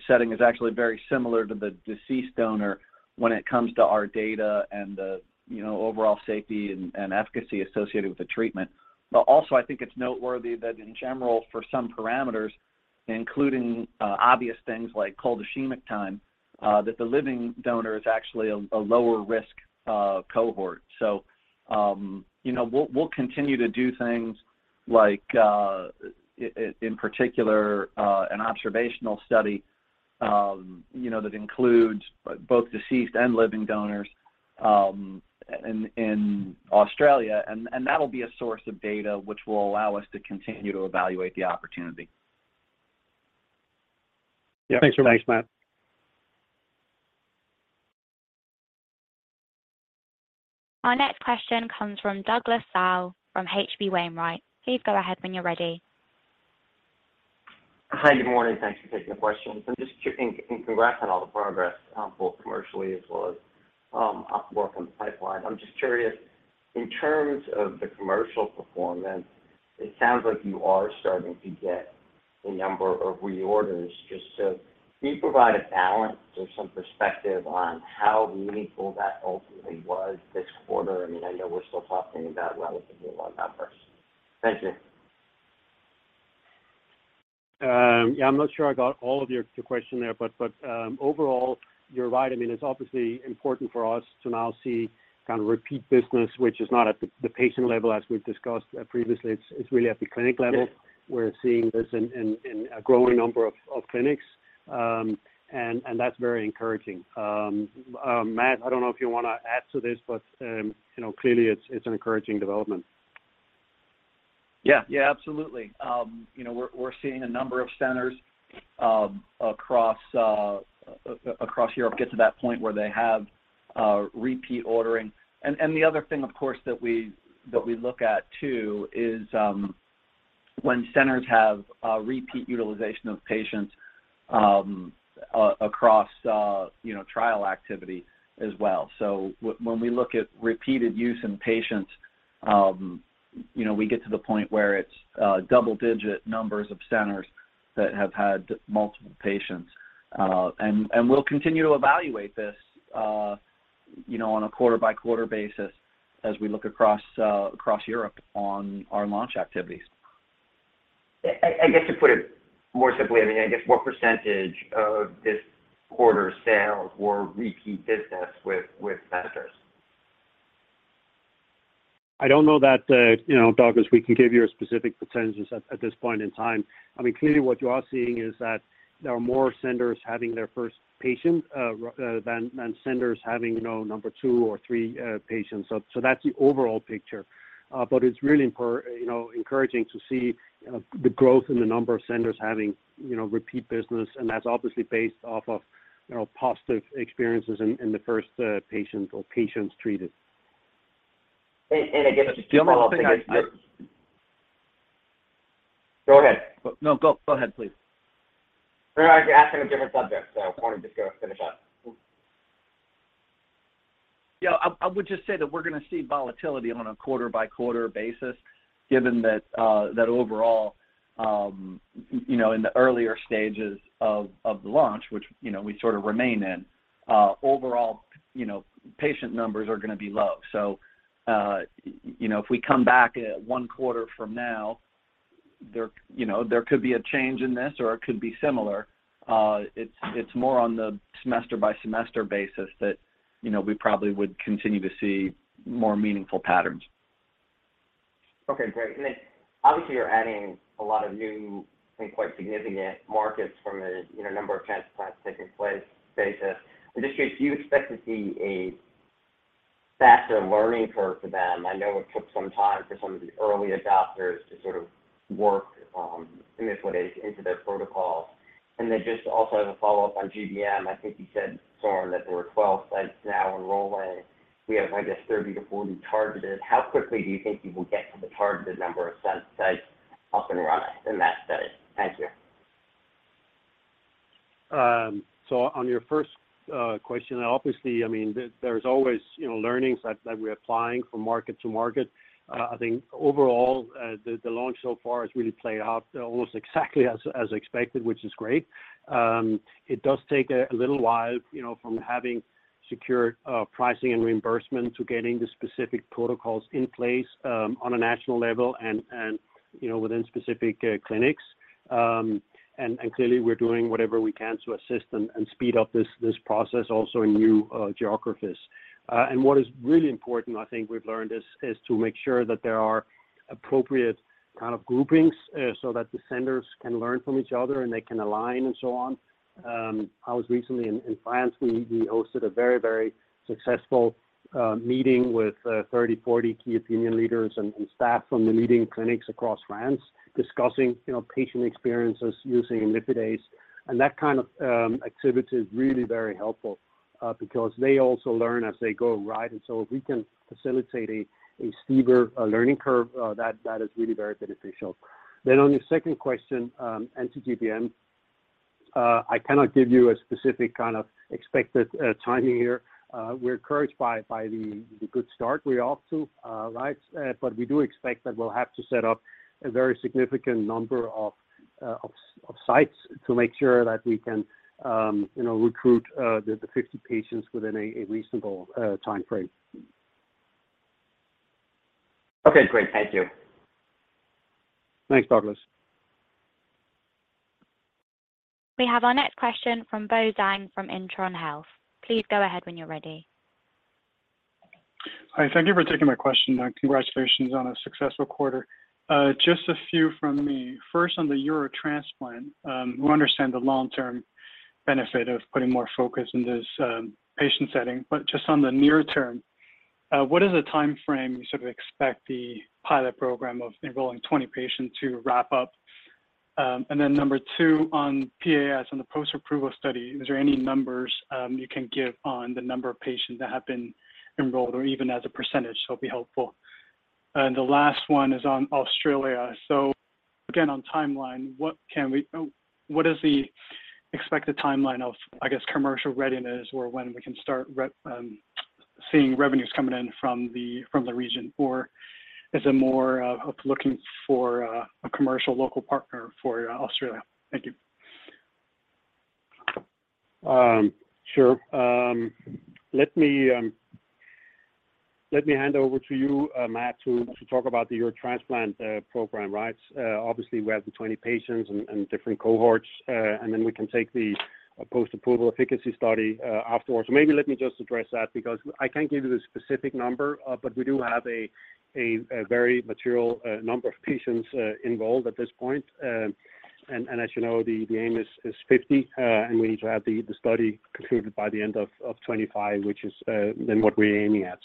setting is actually very similar to the deceased donor when it comes to our data and the, you know, overall safety and efficacy associated with the treatment. Also I think it's noteworthy that in general, for some parameters, including obvious things like cold ischemic time, that the living donor is actually a lower risk cohort. you know, we'll continue to do things like in particular an observational study, you know, that includes but both deceased and living donors in Australia, and that'll be a source of data which will allow us to continue to evaluate the opportunity. Yeah. Thanks, Matt. Our next question comes from Douglas Tsao from H.C. Wainwright. Please go ahead when you're ready. Hi, good morning, thanks for taking the questions. Just congrats on all the progress, both commercially as well as work on the pipeline. I'm just curious, in terms of the commercial performance, it sounds like you are starting to get a number of reorders. Just, can you provide a balance or some perspective on how meaningful that ultimately was this quarter? I mean, I know we're still talking about relatively low numbers. Thank you. Yeah, I'm not sure I got all of your, the question there, but overall, you're right. I mean, it's obviously important for us to now see kind of repeat business, which is not at the patient level, as we've discussed, previously. It's really at the clinic level- Yeah. where seeing this in a growing number of clinics, and that's very encouraging. Matt, I don't know if you want to add to this, but, you know, clearly it's an encouraging development. Yeah. Yeah, absolutely. You know, we're seeing a number of centers across Europe get to that point where they have repeat ordering. The other thing, of course, that we look at too, is when centers have a repeat utilization of patients across, you know, trial activity as well. When we look at repeated use in patients, you know, we get to the point where it's double-digit numbers of centers that have had multiple patients. We'll continue to evaluate this, you know, on a quarter-by-quarter basis as we look across Europe on our launch activities. I guess to put it more simply, I mean, I guess what % of this quarter's sales were repeat business with centers? I don't know that, you know, Douglas, we can give you a specific % at this point in time. I mean, clearly what you are seeing is that there are more centers having their first patient, than centers having, you know, number two or three, patients. So that's the overall picture. It's really impor- you know, encouraging to see, the growth in the number of centers having, you know, repeat business, and that's obviously based off of, you know, positive experiences in the first, patient or patients treated. I guess just to follow up. The other thing I. Go ahead. No, go ahead, please. No, no. I was going to ask on a different subject. I wanted to just go finish up. Yeah, I would just say that we're going to see volatility on a quarter-by-quarter basis, given that overall, you know, in the earlier stages of the launch, which, you know, we sort of remain in, overall, you know, patient numbers are going to be low. You know, if we come back at one quarter from now, there, you know, could be a change in this or it could be similar. It's more on the semester by semester basis that, you know, we probably would continue to see more meaningful patterns. Okay, great. Obviously, you're adding a lot of new and quite significant markets from a, you know, number of transplants taking place basis. Do you expect to see a faster learning curve for them? I know it took some time for some of the early adopters to sort of work, imlifidase into their protocols. Just also as a follow-up on GBM, I think you said, Søren, that there were 12 sites now enrolling. We have, I guess, 30-40 targeted. How quickly do you think you will get to the targeted number of sites up and running in that study? Thank you. So on your first question, obviously, I mean, there's always, you know, learnings that we're applying from market to market. I think overall, the launch so far has really played out almost exactly as expected, which is great. It does take a little while, you know, from having secure pricing and reimbursement to getting the specific protocols in place on a national level and, you know, within specific clinics. Clearly we're doing whatever we can to assist and speed up this process, also in new geographies....What is really important, I think we've learned, is to make sure that there are appropriate kind of groupings so that the centers can learn from each other, and they can align and so on. I was recently in France. We hosted a very successful meeting with 30, 40 key opinion leaders and staff from the leading clinics across France, discussing, you know, patient experiences using imlifidase. That kind of activity is really very helpful because they also learn as they go, right? If we can facilitate a steeper learning curve that is really very beneficial. On your second question, anti-GBM, I cannot give you a specific kind of expected timing here. We're encouraged by the good start we're off to, right? We do expect that we'll have to set up a very significant number of sites to make sure that we can, you know, recruit the 50 patients within a reasonable time frame. Okay, great. Thank you. Thanks, Douglas. We have our next question from Bo Zhang from Intron Health. Please go ahead when you're ready. Hi, thank you for taking my question, and congratulations on a successful quarter. Just a few from me. First, on the Eurotransplant, we understand the long-term benefit of putting more focus in this patient setting, but just on the near term, what is the time frame you sort of expect the pilot program of enrolling 20 patients to wrap up? Then number 2, on PAS, on the post-approval study, is there any numbers you can give on the number of patients that have been enrolled, or even as a % will be helpful. The last one is on Australia. Again, on timeline, what is the expected timeline of, I guess, commercial readiness, or when we can start seeing revenues coming in from the region? Is it more of looking for a commercial local partner for Australia? Thank you. Sure. Let me hand over to you, Matt, to talk about the Eurotransplant program, right? Obviously, we have the 20 patients and different cohorts, then we can take the post-approval efficacy study afterwards. Maybe let me just address that because I can't give you the specific number, but we do have a very material number of patients enrolled at this point. As you know, the aim is 50, and we need to have the study concluded by the end of 2025, which is then what we're aiming at.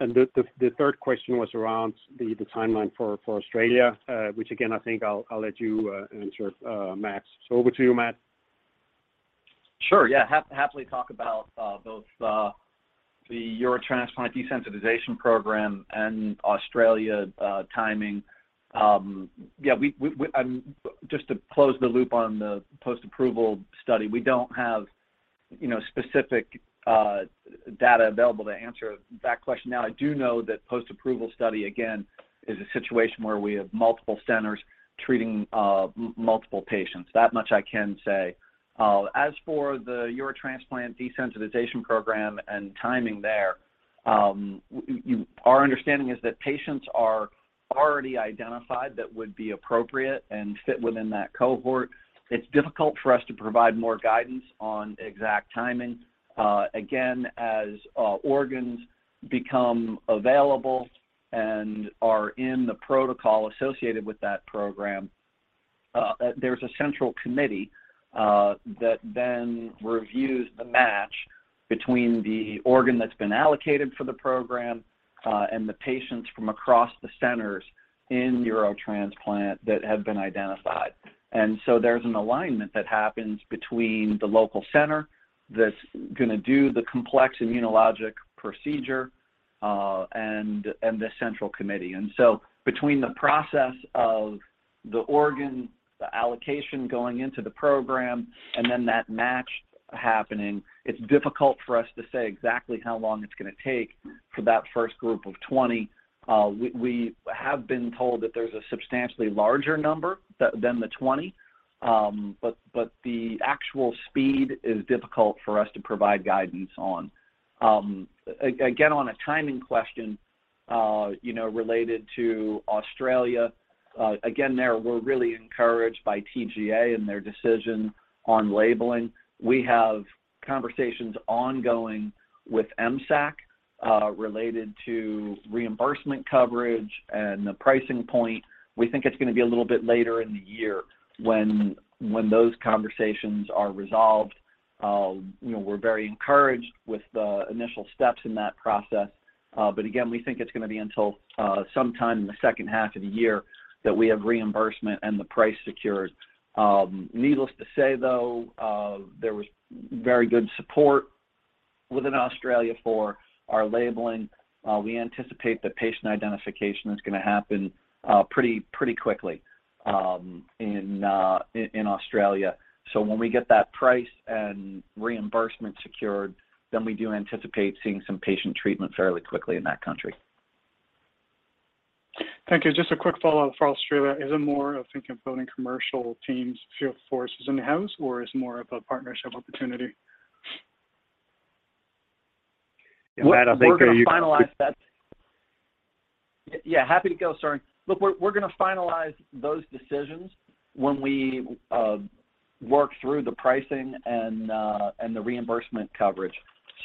The third question was around the timeline for Australia, which again, I think I'll let you answer, Matt. Over to you, Matt. Sure, yeah. happily talk about both the Eurotransplant desensitization program and Australia timing. Yeah, we, we, just to close the loop on the post-approval study, we don't have, you know, specific data available to answer that question. Now, I do know that post-approval study, again, is a situation where we have multiple centers treating multiple patients. That much I can say. As for the Eurotransplant desensitization program and timing there, you... Our understanding is that patients are already identified that would be appropriate and fit within that cohort. It's difficult for us to provide more guidance on exact timing. Again, as organs become available and are in the protocol associated with that program, there's a central committee that then reviews the match between the organ that's been allocated for the program and the patients from across the centers in Eurotransplant that have been identified. There's an alignment that happens between the local center that's gonna do the complex immunologic procedure and the central committee. Between the process of the organ, the allocation going into the program, and then that match happening, it's difficult for us to say exactly how long it's gonna take for that first group of 20. We have been told that there's a substantially larger number than the 20, but the actual speed is difficult for us to provide guidance on. Again, on a timing question, you know, related to Australia, again, there we're really encouraged by TGA and their decision on labeling. We have conversations ongoing with MSAC related to reimbursement coverage and the pricing point. We think it's gonna be a little bit later in the year when those conversations are resolved. You know, we're very encouraged with the initial steps in that process, again, we think it's gonna be until sometime in the second half of the year that we have reimbursement and the price secured. Needless to say, though, there was very good support within Australia for our labeling. We anticipate that patient identification is gonna happen pretty quickly in Australia. When we get that price and reimbursement secured, then we do anticipate seeing some patient treatment fairly quickly in that country. Thank you. Just a quick follow-up for Australia. Is it more of thinking of building commercial teams, sales forces in-house, or is it more of a partnership opportunity? Matt, I think. We're gonna finalize. Yeah, happy to go, Søren. We're gonna finalize those decisions when we work through the pricing and the reimbursement coverage.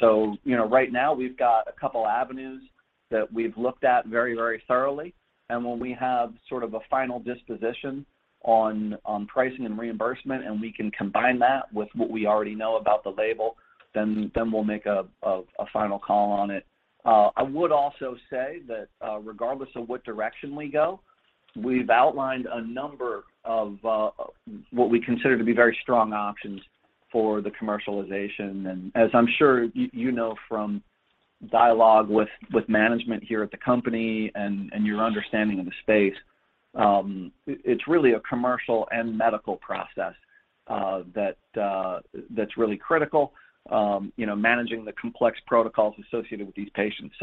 You know, right now, we've got a couple avenues that we've looked at very, very thoroughly, and when we have sort of a final disposition on pricing and reimbursement, and we can combine that with what we already know about the label, then we'll make a final call on it. I would also say that regardless of what direction we go, we've outlined a number of what we consider to be very strong options for the commercialization. As I'm sure you know from dialogue with management here at the company and your understanding of the space, it's really a commercial and medical process, that's really critical, you know, managing the complex protocols associated with these patients.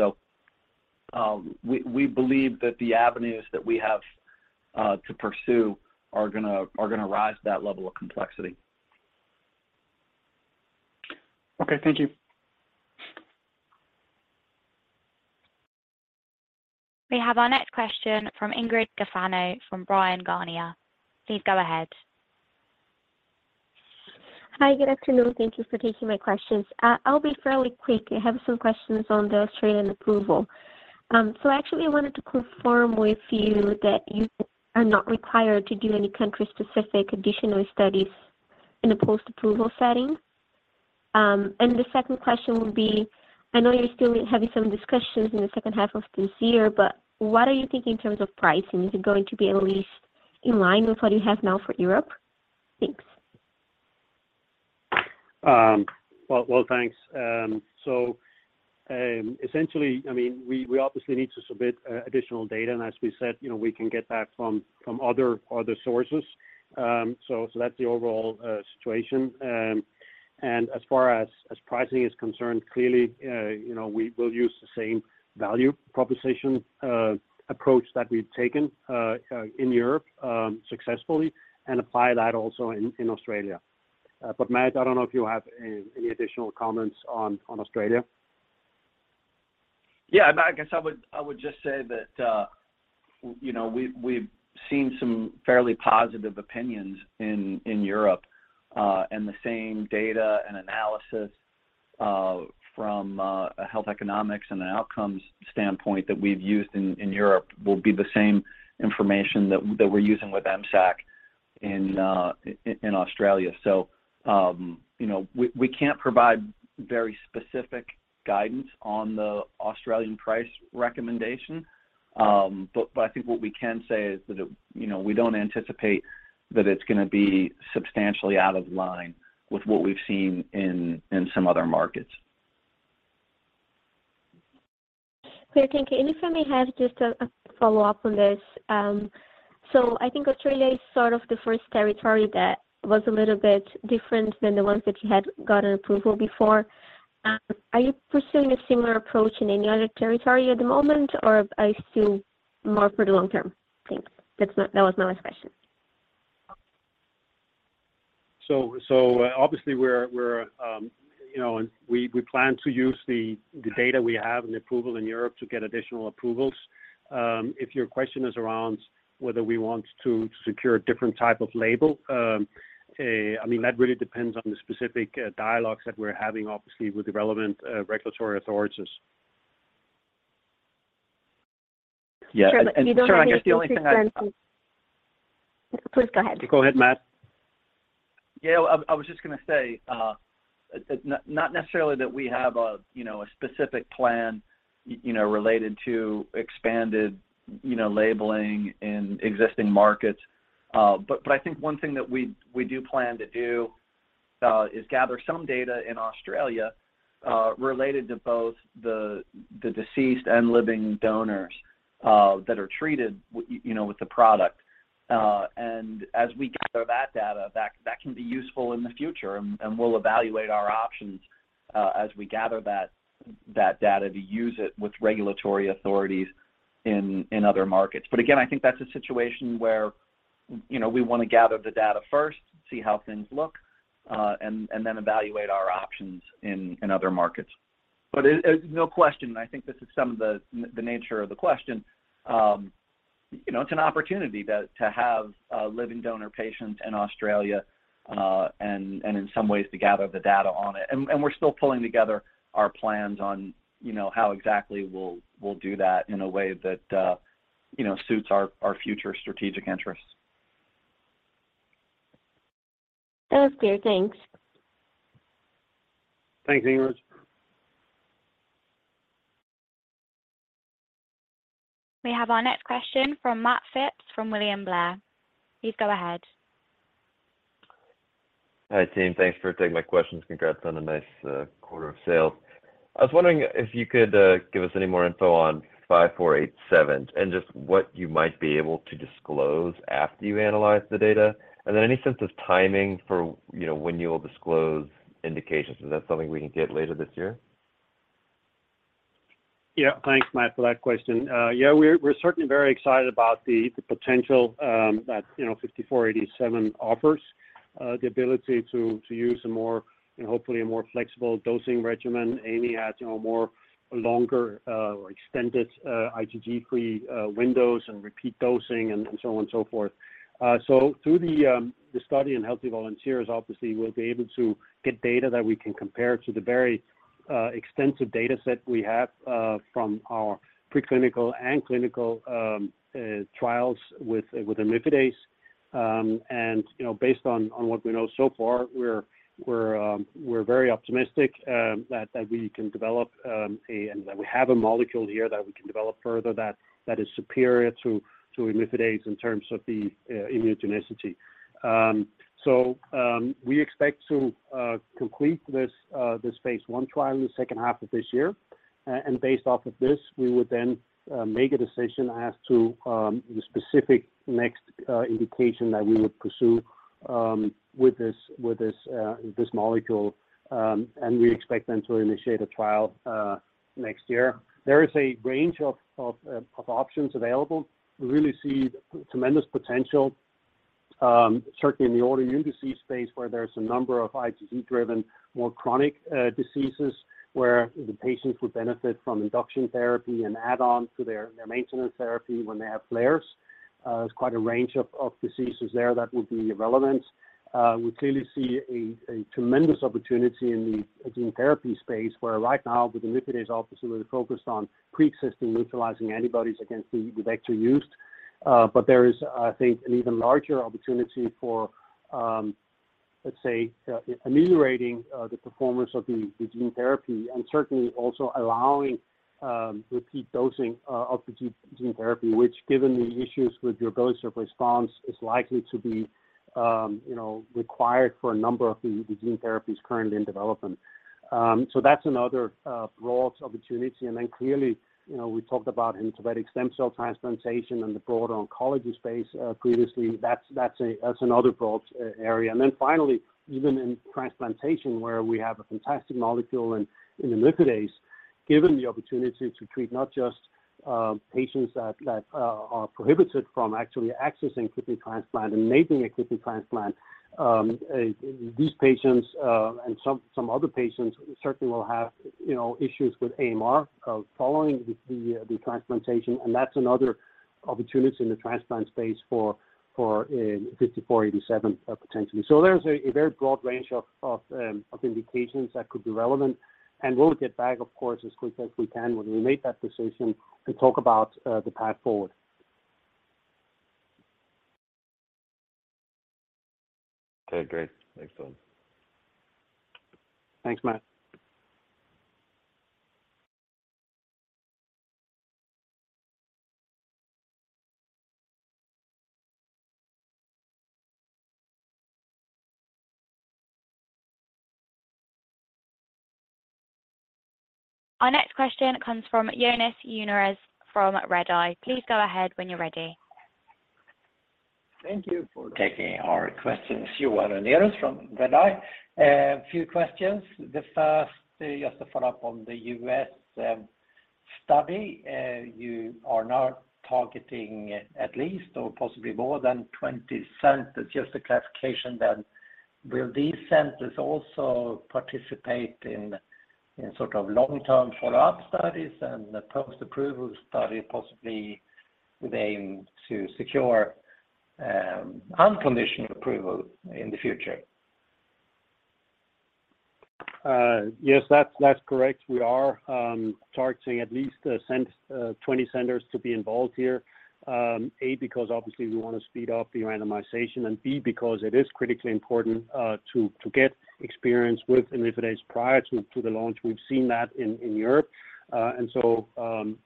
We, we believe that the avenues that we have, to pursue are gonna rise to that level of complexity. Okay. Thank you. We have our next question from Ingrid Gafanhao, from Bryan Garnier. Please go ahead. Hi, good afternoon. Thank you for taking my questions. I'll be fairly quick. I have some questions on the Australian approval. I wanted to confirm with you that you are not required to do any country-specific additional studies in a post-approval setting? The second question would be, I know you're still having some discussions in the second half of this year, what are you thinking in terms of pricing? Is it going to be at least in line with what you have now for Europe? Thanks. Well, thanks. Essentially, I mean, we obviously need to submit additional data, and as we said, you know, we can get that from other sources. That's the overall situation. As far as pricing is concerned, clearly, you know, we will use the same value proposition approach that we've taken in Europe successfully and apply that also in Australia. Matt, I don't know if you have any additional comments on Australia. Yeah, I guess I would just say that, you know, we've seen some fairly positive opinions in Europe, and the same data and analysis from a health economics and an outcomes standpoint that we've used in Europe will be the same information that we're using with MSAC in Australia. You know, we can't provide very specific guidance on the Australian price recommendation, but I think what we can say is that, you know, we don't anticipate that it's gonna be substantially out of line with what we've seen in some other markets. Clear. Thank you. If I may have just a follow-up on this. I think Australia is sort of the first territory that was a little bit different than the ones that you had gotten approval before. Are you pursuing a similar approach in any other territory at the moment, or is still more for the long term? Thanks. That was my last question. Obviously, we're, you know, we plan to use the data we have and the approval in Europe to get additional approvals. If your question is around whether we want to secure a different type of label, I mean, that really depends on the specific dialogues that we're having, obviously, with the relevant regulatory authorities. Yeah, Søren, I guess the only thing. Please go ahead. Go ahead, Matt. Yeah, I was just gonna say, not necessarily that we have a, you know, a specific plan, you know, related to expanded, you know, labeling in existing markets, but I think one thing that we do plan to do is gather some data in Australia, related to both the deceased and living donors that are treated, you know, with the product. As we gather that data, that can be useful in the future, and we'll evaluate our options as we gather that data to use it with regulatory authorities in other markets. Again, I think that's a situation where, you know, we wanna gather the data first, see how things look, and then evaluate our options in other markets. It, no question, I think this is some of the nature of the question. You know, it's an opportunity to have living donor patients in Australia and in some ways to gather the data on it. We're still pulling together our plans on, you know, how exactly we'll do that in a way that, you know, suits our future strategic interests. That was clear. Thanks. Thanks, Ingrid. We have our next question from Matt Phipps, from William Blair. Please go ahead. Hi, team. Thanks for taking my questions. Congrats on a nice quarter of sales. I was wondering if you could give us any more info on HNSA-5487, and just what you might be able to disclose after you analyze the data. Then any sense of timing for, you know, when you will disclose indications? Is that something we can get later this year? Yeah, thanks, Matt, for that question. Yeah, we're certainly very excited about the potential that, you know, HNSA-5487 offers. The ability to use a more, and hopefully a more flexible dosing regimen. AMR has, you know, more longer, extended, IgG-free windows and repeat dosing and so on and so forth. Through the study in healthy volunteers, obviously, we'll be able to get data that we can compare to the very extensive data set we have from our preclinical and clinical trials with imlifidase. You know, based on what we know so far, we're very optimistic that we can develop and that we have a molecule here that we can develop further, that is superior to imlifidase in terms of the immunogenicity. We expect to complete this phase 1 trial in the second half of this year. Based off of this, we would then make a decision as to the specific next indication that we would pursue with this molecule, and we expect then to initiate a trial next year. There is a range of options available. We really see tremendous potential, certainly in the autoimmune disease space, where there's a number of IgG-driven, more chronic diseases, where the patients would benefit from induction therapy and add-on to their maintenance therapy when they have flares. There's quite a range of diseases there that would be relevant. We clearly see a tremendous opportunity in the gene therapy space, where right now, with imlifidase obviously really focused on pre-existing, neutralizing antibodies against the vector used. There is, I think, an even larger opportunity for, let's say, ameliorating the performance of the gene therapy, and certainly also allowing repeat dosing of the gene therapy, which, given the issues with durability of response, is likely to be, you know, required for a number of the gene therapies currently in development. That's another broad opportunity. Clearly, you know, we talked about hematopoietic stem cell transplantation and the broader oncology space previously. That's another broad area. Finally, even in transplantation, where we have a fantastic molecule in imlifidase, given the opportunity to treat not just patients that are prohibited from actually accessing kidney transplant and making a kidney transplant, these patients, and some other patients certainly will have, you know, issues with AMR following the transplantation, and that's another opportunity in the transplant space for 5487 potentially. There's a very broad range of indications that could be relevant. We'll get back, of course, as quickly as we can when we make that decision to talk about, the path forward. Okay, great. Excellent. Thanks, Matt. Our next question comes from Johan Unnerus from Redeye. Please go ahead when you're ready. Thank you for taking our questions. Johan Unnerus from Redeye. A few questions. The first, just to follow up on the US study. You are now targeting at least or possibly more than 20 centers, just a clarification. Will these centers also participate in sort of long-term follow-up studies and the post-approval study, possibly with aim to secure unconditional approval in the future? Yes, that's correct. We are targeting at least 20 centers to be involved here. A, because obviously we want to speed up the randomization, and B, because it is critically important to get experience with imlifidase prior to the launch. We've seen that in Europe.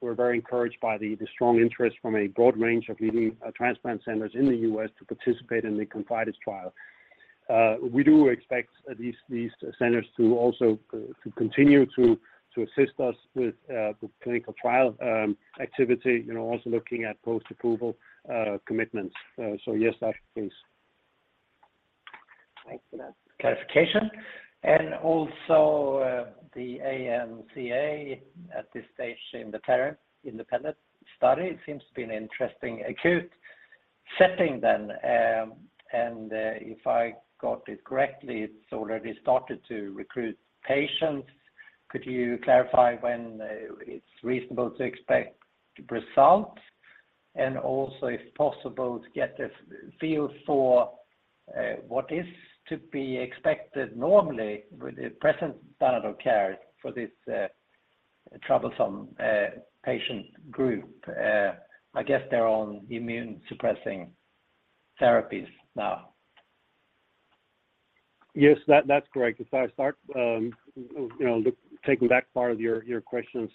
We're very encouraged by the strong interest from a broad range of leading transplant centers in the U.S. to participate in the ConfIdeS trial. We do expect these centers to also to continue to assist us with the clinical trial activity, you know, also looking at post-approval commitments. Yes, that's the case. Thanks for that clarification. Also, the ANCA at this stage in the parent independent study, it seems to be an interesting acute setting then. If I got it correctly, it's already started to recruit patients. Could you clarify when it's reasonable to expect result? Also, if possible, to get a feel for what is to be expected normally with the present standard of care for this troublesome patient group, I guess, they're on immune-suppressing therapies now. Yes, that's correct. If I start, you know, taking back part of your questions.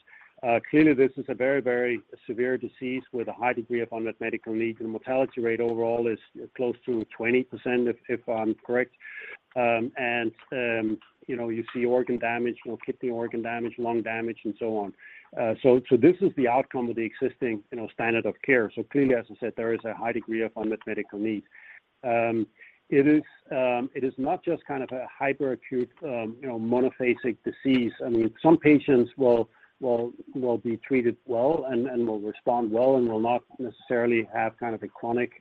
Clearly, this is a very, very severe disease with a high degree of unmet medical need, the mortality rate overall is close to 20%, if I'm correct. You know, you see organ damage, kidney organ damage, lung damage, and so on. This is the outcome of the existing, you know, standard of care. Clearly, as I said, there is a high degree of unmet medical need. It is not just kind of a hyperacute, you know, monophasic disease. I mean, some patients will be treated well and will respond well and will not necessarily have kind of a chronic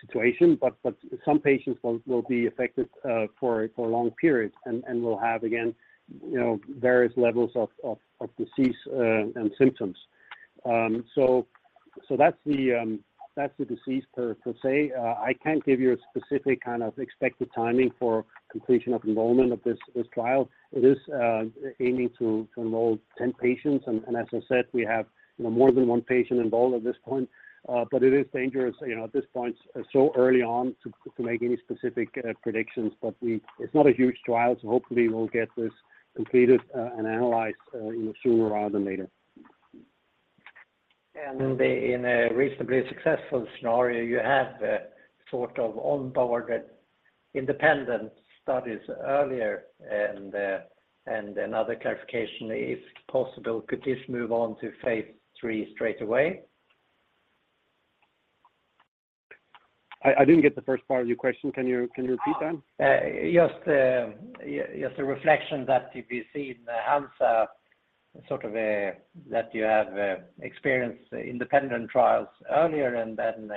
situation, but some patients will be affected for long periods and will have, again, you know, various levels of disease and symptoms. That's the disease per se. I can't give you a specific kind of expected timing for completion of enrollment of this trial. It is aiming to enroll 10 patients, and as I said, we have, you know, more than one patient enrolled at this point. But it is dangerous, you know, at this point, so early on to make any specific predictions. It's not a huge trial, so hopefully we'll get this completed, and analyzed, you know, sooner rather than later. In a reasonably successful scenario, you have sort of onboarded independent studies earlier. Another clarification, if possible, could this move on to phase 3 straight away? I didn't get the first part of your question. Can you repeat that? Just, yeah, just a reflection that we've seen in Hansa, sort of a, that you have experienced independent trials earlier and then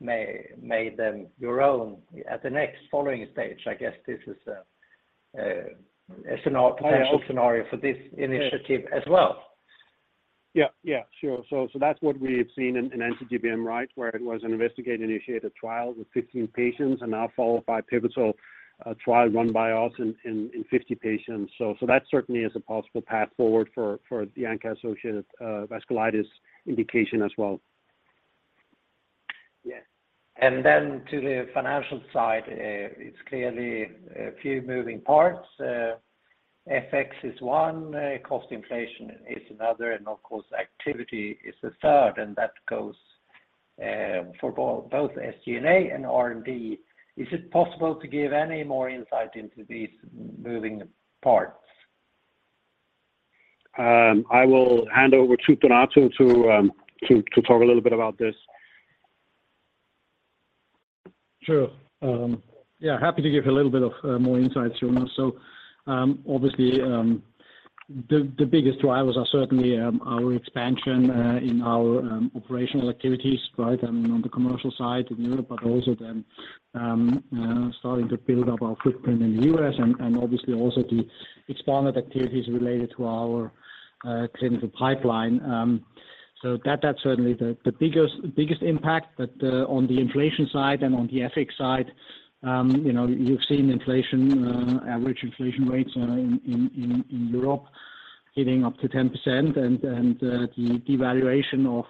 made them your own at the next following stage. I guess this is a potential scenario. Yeah, okay. For this initiative as well. Yeah, yeah, sure. That's what we've seen in anti-GBM, right? Where it was an investigator-initiated trial with 15 patients and now followed by pivotal trial run by us in 50 patients. That certainly is a possible path forward for the ANCA-associated vasculitis indication as well. Yeah. Then to the financial side, it's clearly a few moving parts. FX is one, cost inflation is another, and of course, activity is the third, and that goes for both SG&A and R&D. Is it possible to give any more insight into these moving parts? I will hand over to Donato to talk a little bit about this. Sure. Yeah, happy to give you a little bit of more insight, Johan Unnerus. Obviously, the biggest drivers are certainly our expansion in our operational activities, right? I mean, on the commercial side in Europe, but also then starting to build up our footprint in the U.S. and obviously also the expanded activities related to our clinical pipeline. That's certainly the biggest impact. On the inflation side and on the FX side, you know, you've seen inflation average inflation rates in Europe getting up to 10%. The devaluation of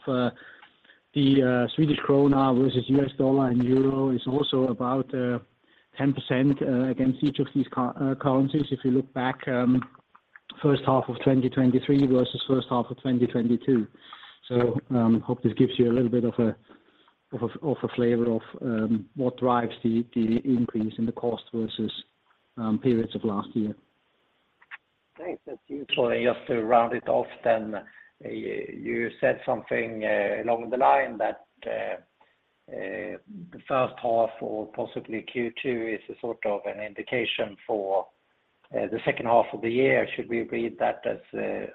the SEK versus USD and EUR is also about 10% against each of these currencies. If you look back, first half of 2023 versus first half of 2022. Hope this gives you a little bit of a flavor of what drives the increase in the cost versus periods of last year. Thanks. That's useful. Just to round it off then, you said something along the line that the first half or possibly Q2 is a sort of an indication for the second half of the year. Should we read that as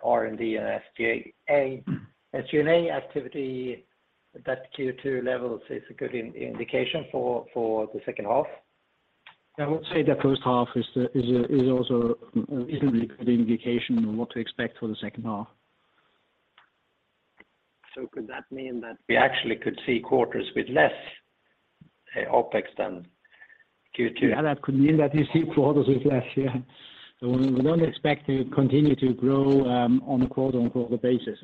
R&D and SG&A activity, that Q2 levels is a good indication for the second half? I would say the first half is also a reasonably good indication of what to expect for the second half. Could that mean that we actually could see quarters with less OpEx than Q2? That could mean that you see quarters with less, yeah. We don't expect to continue to grow on a quarter-on-quarter basis,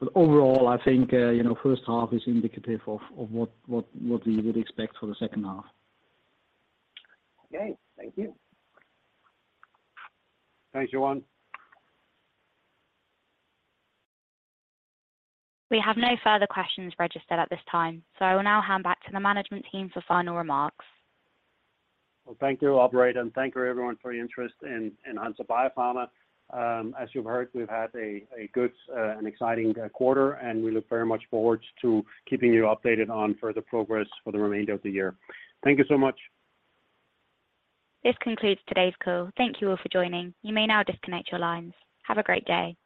right? Overall, I think, you know, first half is indicative of what we would expect for the second half. Okay. Thank you. Thanks, Johan. We have no further questions registered at this time, so I will now hand back to the management team for final remarks. Well, thank you, operator, and thank you, everyone, for your interest in Hansa Biopharma. As you've heard, we've had a good and exciting quarter, and we look very much forward to keeping you updated on further progress for the remainder of the year. Thank you so much. This concludes today's call. Thank you all for joining. You may now disconnect your lines. Have a great day!